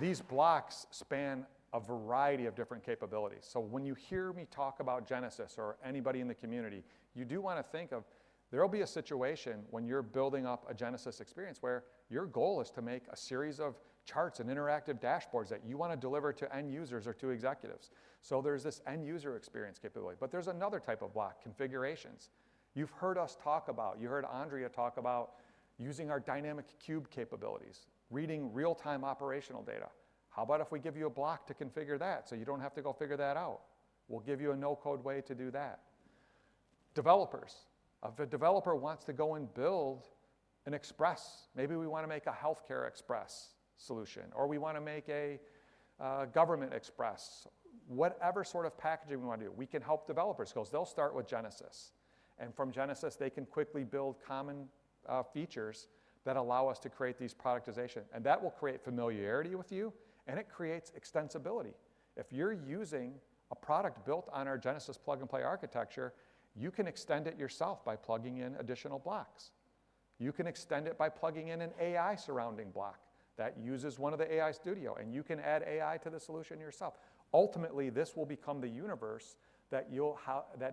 these blocks span a variety of different capabilities. So when you hear me talk about Genesis or anybody in the community, you do want to think of there'll be a situation when you're building up a Genesis experience where your goal is to make a series of charts and interactive dashboards that you want to deliver to end users or to executives. So there's this end user experience capability. But there's another type of block, configurations. You've heard us talk about, you heard Andrea talk about using our dynamic cube capabilities, reading real-time operational data. How about if we give you a block to configure that so you don't have to go figure that out? We'll give you a no-code way to do that. Developers. If a developer wants to go and build an Express, maybe we want to make a healthcare Express solution, or we want to make a government Express, whatever sort of packaging we want to do, we can help developers because they'll start with Genesis. And from Genesis, they can quickly build common features that allow us to create these productization. And that will create familiarity with you, and it creates extensibility. If you're using a product built on our Genesis plug-and-play architecture, you can extend it yourself by plugging in additional blocks. You can extend it by plugging in an AI surrounding block that uses one of the AI Studio, and you can add AI to the solution yourself. Ultimately, this will become the universe that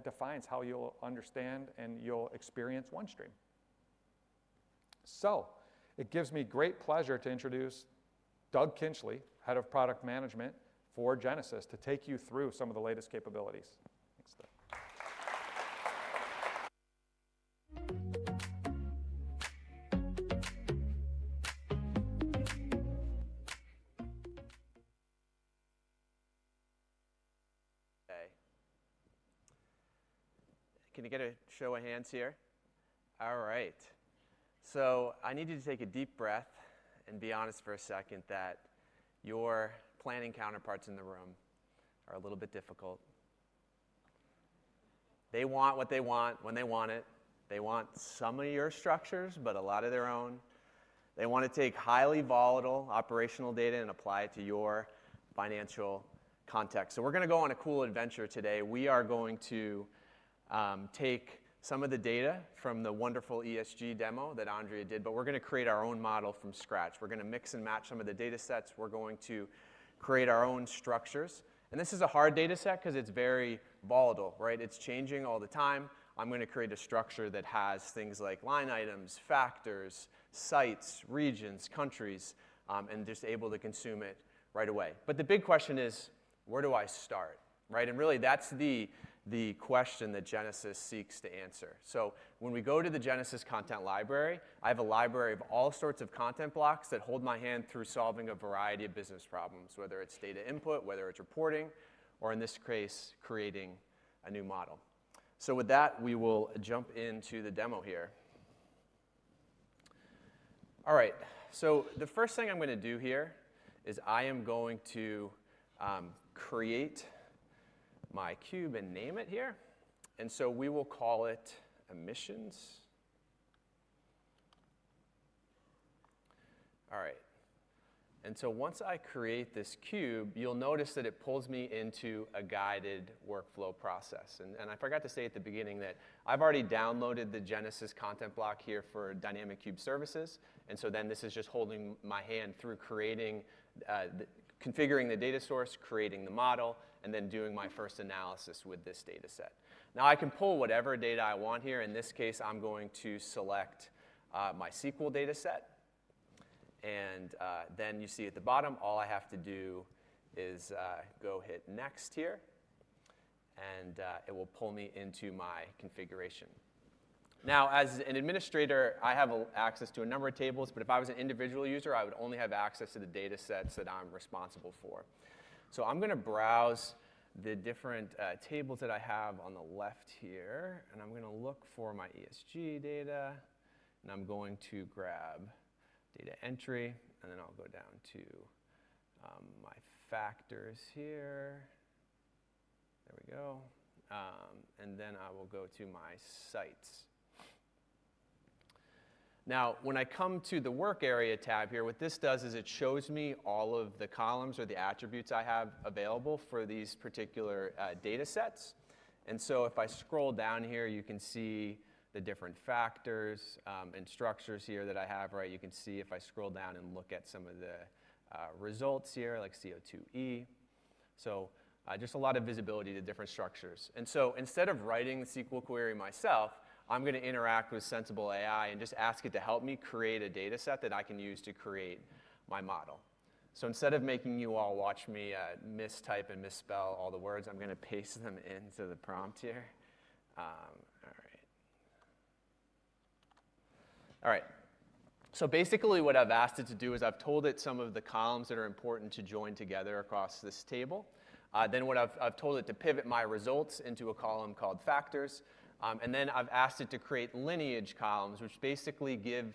defines how you'll understand and you'll experience OneStream. So it gives me great pleasure to introduce Doug Kintzley, Head of Product Management for Genesis, to take you through some of the latest capabilities. Thanks, Doug. Can you get a show of hands here? All right. So I need you to take a deep breath and be honest for a second that your planning counterparts in the room are a little bit difficult. They want what they want when they want it. They want some of your structures, but a lot of their own. They want to take highly volatile operational data and apply it to your financial context. So we're going to go on a cool adventure today. We are going to take some of the data from the wonderful ESG demo that Andrea did, but we're going to create our own model from scratch. We're going to mix and match some of the data sets. We're going to create our own structures. And this is a hard data set because it's very volatile, right? It's changing all the time. I'm going to create a structure that has things like line items, factors, sites, regions, countries, and just able to consume it right away. But the big question is, where do I start? And really, that's the question that Genesis seeks to answer. So when we go to the Genesis content library, I have a library of all sorts of content blocks that hold my hand through solving a variety of business problems, whether it's data input, whether it's reporting, or in this case, creating a new model, so with that, we will jump into the demo here. All right, so the first thing I'm going to do here is I am going to create my cube and name it here, and so we will call it emissions. All right, and so once I create this cube, you'll notice that it pulls me into a guided workflow process, and I forgot to say at the beginning that I've already downloaded the Genesis content block here for Dynamic Cube Services. And so then this is just holding my hand through configuring the data source, creating the model, and then doing my first analysis with this data set. Now I can pull whatever data I want here. In this case, I'm going to select my SQL data set. And then you see at the bottom, all I have to do is go hit next here, and it will pull me into my configuration. Now, as an administrator, I have access to a number of tables, but if I was an individual user, I would only have access to the data sets that I'm responsible for. So I'm going to browse the different tables that I have on the left here, and I'm going to look for my ESG data. And I'm going to grab data entry, and then I'll go down to my factors here. There we go. And then I will go to my sites. Now, when I come to the work area tab here, what this does is it shows me all of the columns or the attributes I have available for these particular data sets. And so if I scroll down here, you can see the different factors and structures here that I have, right? You can see if I scroll down and look at some of the results here, like CO2e. So just a lot of visibility to different structures. And so instead of writing the SQL query myself, I'm going to interact with Sensible AI and just ask it to help me create a data set that I can use to create my model. So instead of making you all watch me mistype and misspell all the words, I'm going to paste them into the prompt here. All right. So basically, what I've asked it to do is I've told it some of the columns that are important to join together across this table. Then I've told it to pivot my results into a column called factors. And then I've asked it to create lineage columns, which basically give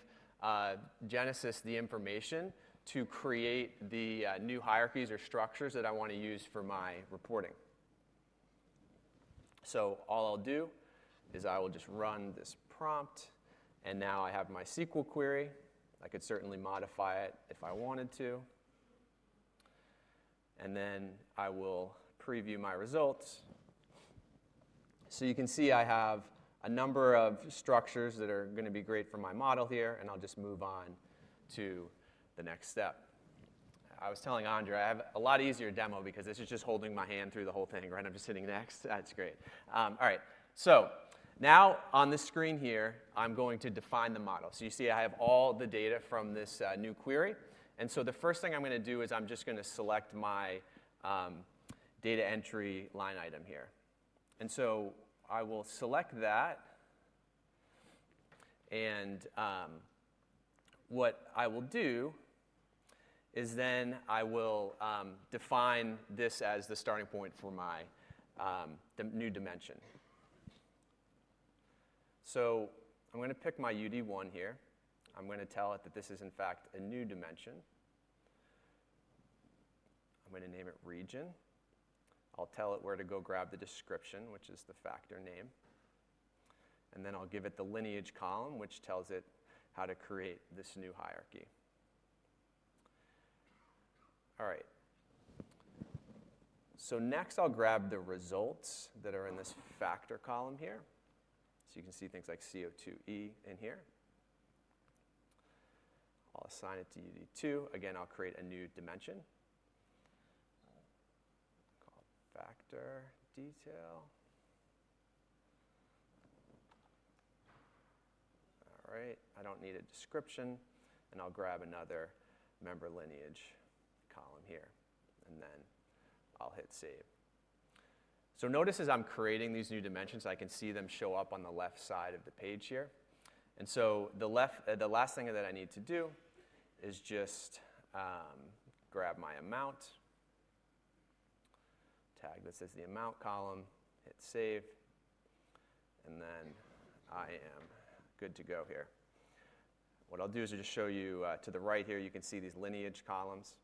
Genesis the information to create the new hierarchies or structures that I want to use for my reporting. So all I'll do is I will just run this prompt. And now I have my SQL query. I could certainly modify it if I wanted to. And then I will preview my results. So you can see I have a number of structures that are going to be great for my model here, and I'll just move on to the next step. I was telling Andrea I have a lot easier demo because this is just holding my hand through the whole thing, right? I'm just sitting next. That's great. All right. So now on this screen here, I'm going to define the model. So you see I have all the data from this new query. And so the first thing I'm going to do is I'm just going to select my data entry line item here. And so I will select that. And what I will do is then I will define this as the starting point for the new dimension. So I'm going to pick my UD1 here. I'm going to tell it that this is, in fact, a new dimension. I'm going to name it region. I'll tell it where to go grab the description, which is the factor name. And then I'll give it the lineage column, which tells it how to create this new hierarchy. All right. So next, I'll grab the results that are in this factor column here. So you can see things like CO2e in here. I'll assign it to UD2. Again, I'll create a new dimension. Call it factor detail. All right. I don't need a description. And I'll grab another member lineage column here. And then I'll hit save. So notice as I'm creating these new dimensions, I can see them show up on the left side of the page here. And so the last thing that I need to do is just grab my amount, tag this as the amount column, hit save. And then I am good to go here. What I'll do is just show you to the right here, you can see these lineage columns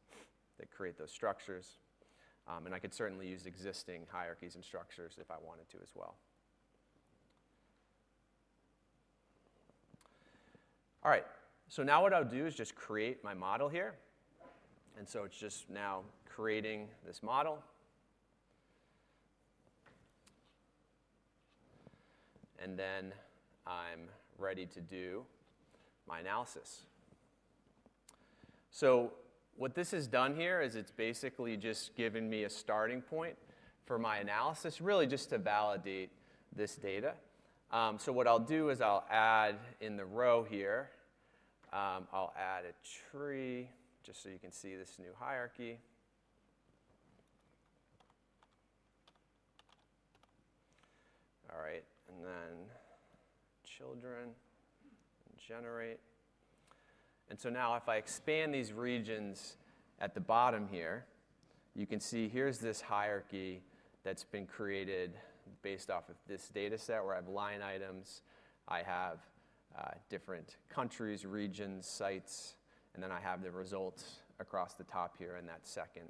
that create those structures. And I could certainly use existing hierarchies and structures if I wanted to as well. All right. So now what I'll do is just create my model here. And so it's just now creating this model. And then I'm ready to do my analysis. So what this has done here is it's basically just given me a starting point for my analysis, really just to validate this data. So what I'll do is I'll add in the row here, I'll add a tree just so you can see this new hierarchy. All right. And then children and generate. And so now if I expand these regions at the bottom here, you can see here's this hierarchy that's been created based off of this data set where I have line items. I have different countries, regions, sites. And then I have the results across the top here in that second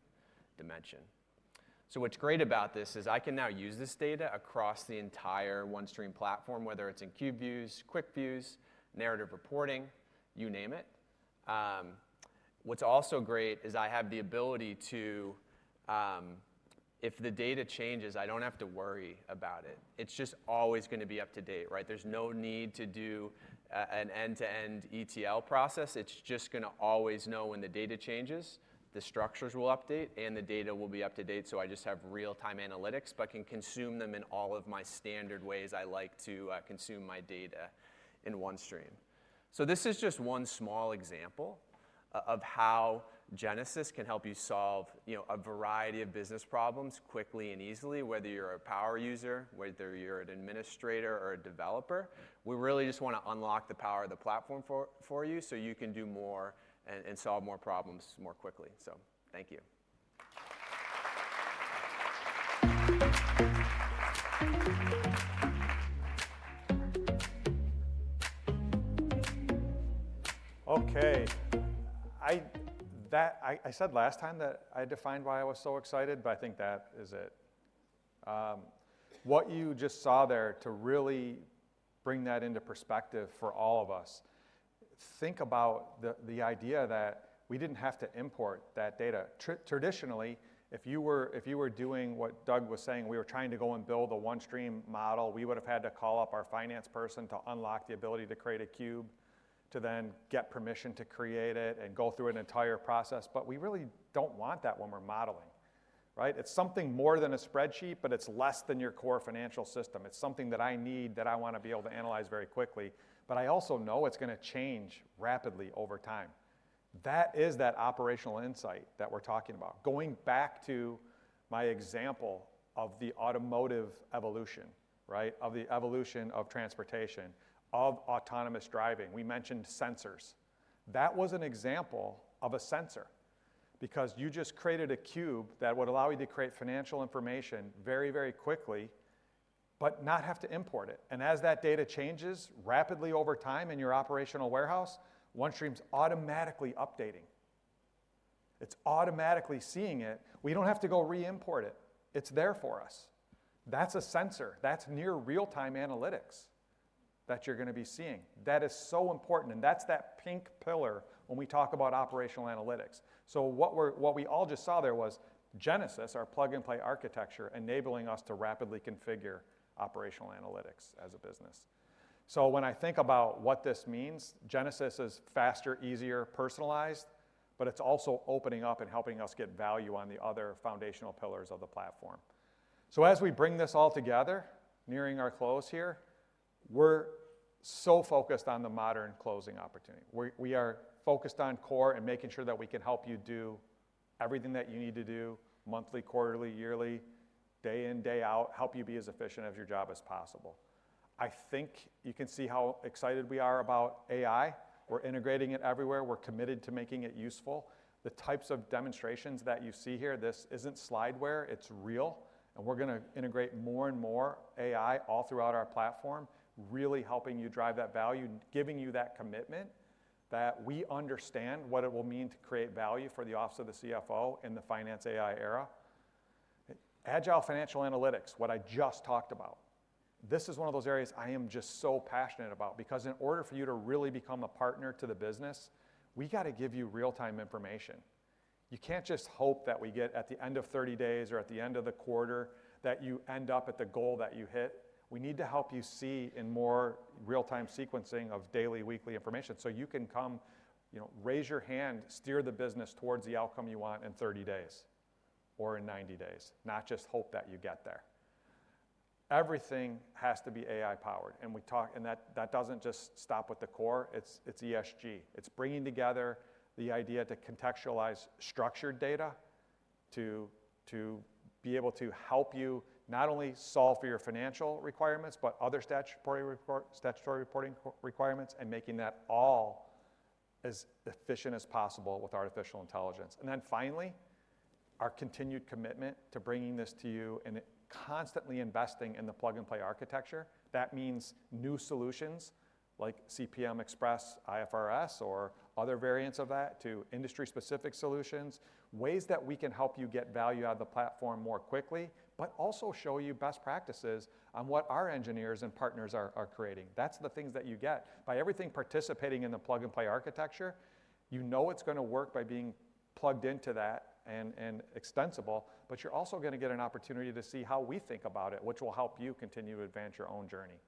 dimension. So what's great about this is I can now use this data across the entire OneStream platform, whether it's in cube views, quick views, narrative reporting, you name it. What's also great is I have the ability to, if the data changes, I don't have to worry about it. It's just always going to be up to date, right? There's no need to do an end-to-end ETL process. It's just going to always know when the data changes, the structures will update, and the data will be up to date. So I just have real-time analytics, but can consume them in all of my standard ways I like to consume my data in OneStream. So this is just one small example of how Genesis can help you solve a variety of business problems quickly and easily, whether you're a power user, whether you're an administrator or a developer. We really just want to unlock the power of the platform for you so you can do more and solve more problems more quickly, so thank you. Okay. I said last time that I defined why I was so excited, but I think that is it. What you just saw there, to really bring that into perspective for all of us. Think about the idea that we didn't have to import that data. Traditionally, if you were doing what Doug was saying, we were trying to go and build a OneStream model. We would have had to call up our finance person to unlock the ability to create a cube, to then get permission to create it and go through an entire process, but we really don't want that when we're modeling, right? It's something more than a spreadsheet, but it's less than your core financial system. It's something that I need, that I want to be able to analyze very quickly. But I also know it's going to change rapidly over time. That is that operational insight that we're talking about. Going back to my example of the automotive evolution, of the evolution of transportation, of autonomous driving, we mentioned sensors. That was an example of a sensor because you just created a cube that would allow you to create financial information very, very quickly, but not have to import it. And as that data changes rapidly over time in your operational warehouse, OneStream's automatically updating. It's automatically seeing it. We don't have to go re-import it. It's there for us. That's a sensor. That's near real-time analytics that you're going to be seeing. That is so important. And that's that pink pillar when we talk about operational analytics. So what we all just saw there was Genesis, our plug-and-play architecture, enabling us to rapidly configure operational analytics as a business. So when I think about what this means, Genesis is faster, easier, personalized, but it's also opening up and helping us get value on the other foundational pillars of the platform. So as we bring this all together, nearing our close here, we're so focused on the modern closing opportunity. We are focused on core and making sure that we can help you do everything that you need to do, monthly, quarterly, yearly, day in, day out, help you be as efficient of your job as possible. I think you can see how excited we are about AI. We're integrating it everywhere. We're committed to making it useful. The types of demonstrations that you see here, this isn't slideware. It's real. And we're going to integrate more and more AI all throughout our platform, really helping you drive that value, giving you that commitment that we understand what it will mean to create value for the office of the CFO in the finance AI era. Agile financial analytics, what I just talked about. This is one of those areas I am just so passionate about because in order for you to really become a partner to the business, we got to give you real-time information. You can't just hope that we get at the end of 30 days or at the end of the quarter that you end up at the goal that you hit. We need to help you see in more real-time sequencing of daily, weekly information so you can come raise your hand, steer the business towards the outcome you want in 30 days or in 90 days, not just hope that you get there. Everything has to be AI powered. And that doesn't just stop with the core. It's ESG. It's bringing together the idea to contextualize structured data to be able to help you not only solve for your financial requirements, but other statutory reporting requirements and making that all as efficient as possible with artificial intelligence. And then finally, our continued commitment to bringing this to you and constantly investing in the plug-and-play architecture. That means new solutions like CPM Express, IFRS, or other variants of that to industry-specific solutions, ways that we can help you get value out of the platform more quickly, but also show you best practices on what our engineers and partners are creating. That's the things that you get. By everything participating in the plug-and-play architecture, you know it's going to work by being plugged into that and extensible, but you're also going to get an opportunity to see how we think about it, which will help you continue to advance your own journey.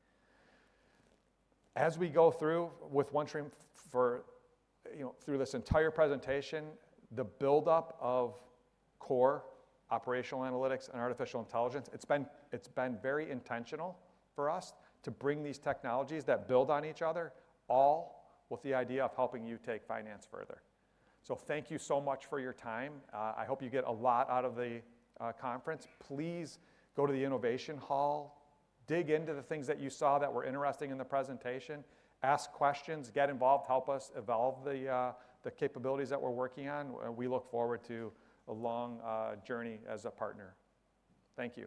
As we go through with OneStream through this entire presentation, the buildup of core operational analytics and artificial intelligence, it's been very intentional for us to bring these technologies that build on each other, all with the idea of helping you take finance further, so thank you so much for your time. I hope you get a lot out of the conference. Please go to the Innovation Hall, dig into the things that you saw that were interesting in the presentation, ask questions, get involved, help us evolve the capabilities that we're working on. We look forward to a long journey as a partner. Thank you.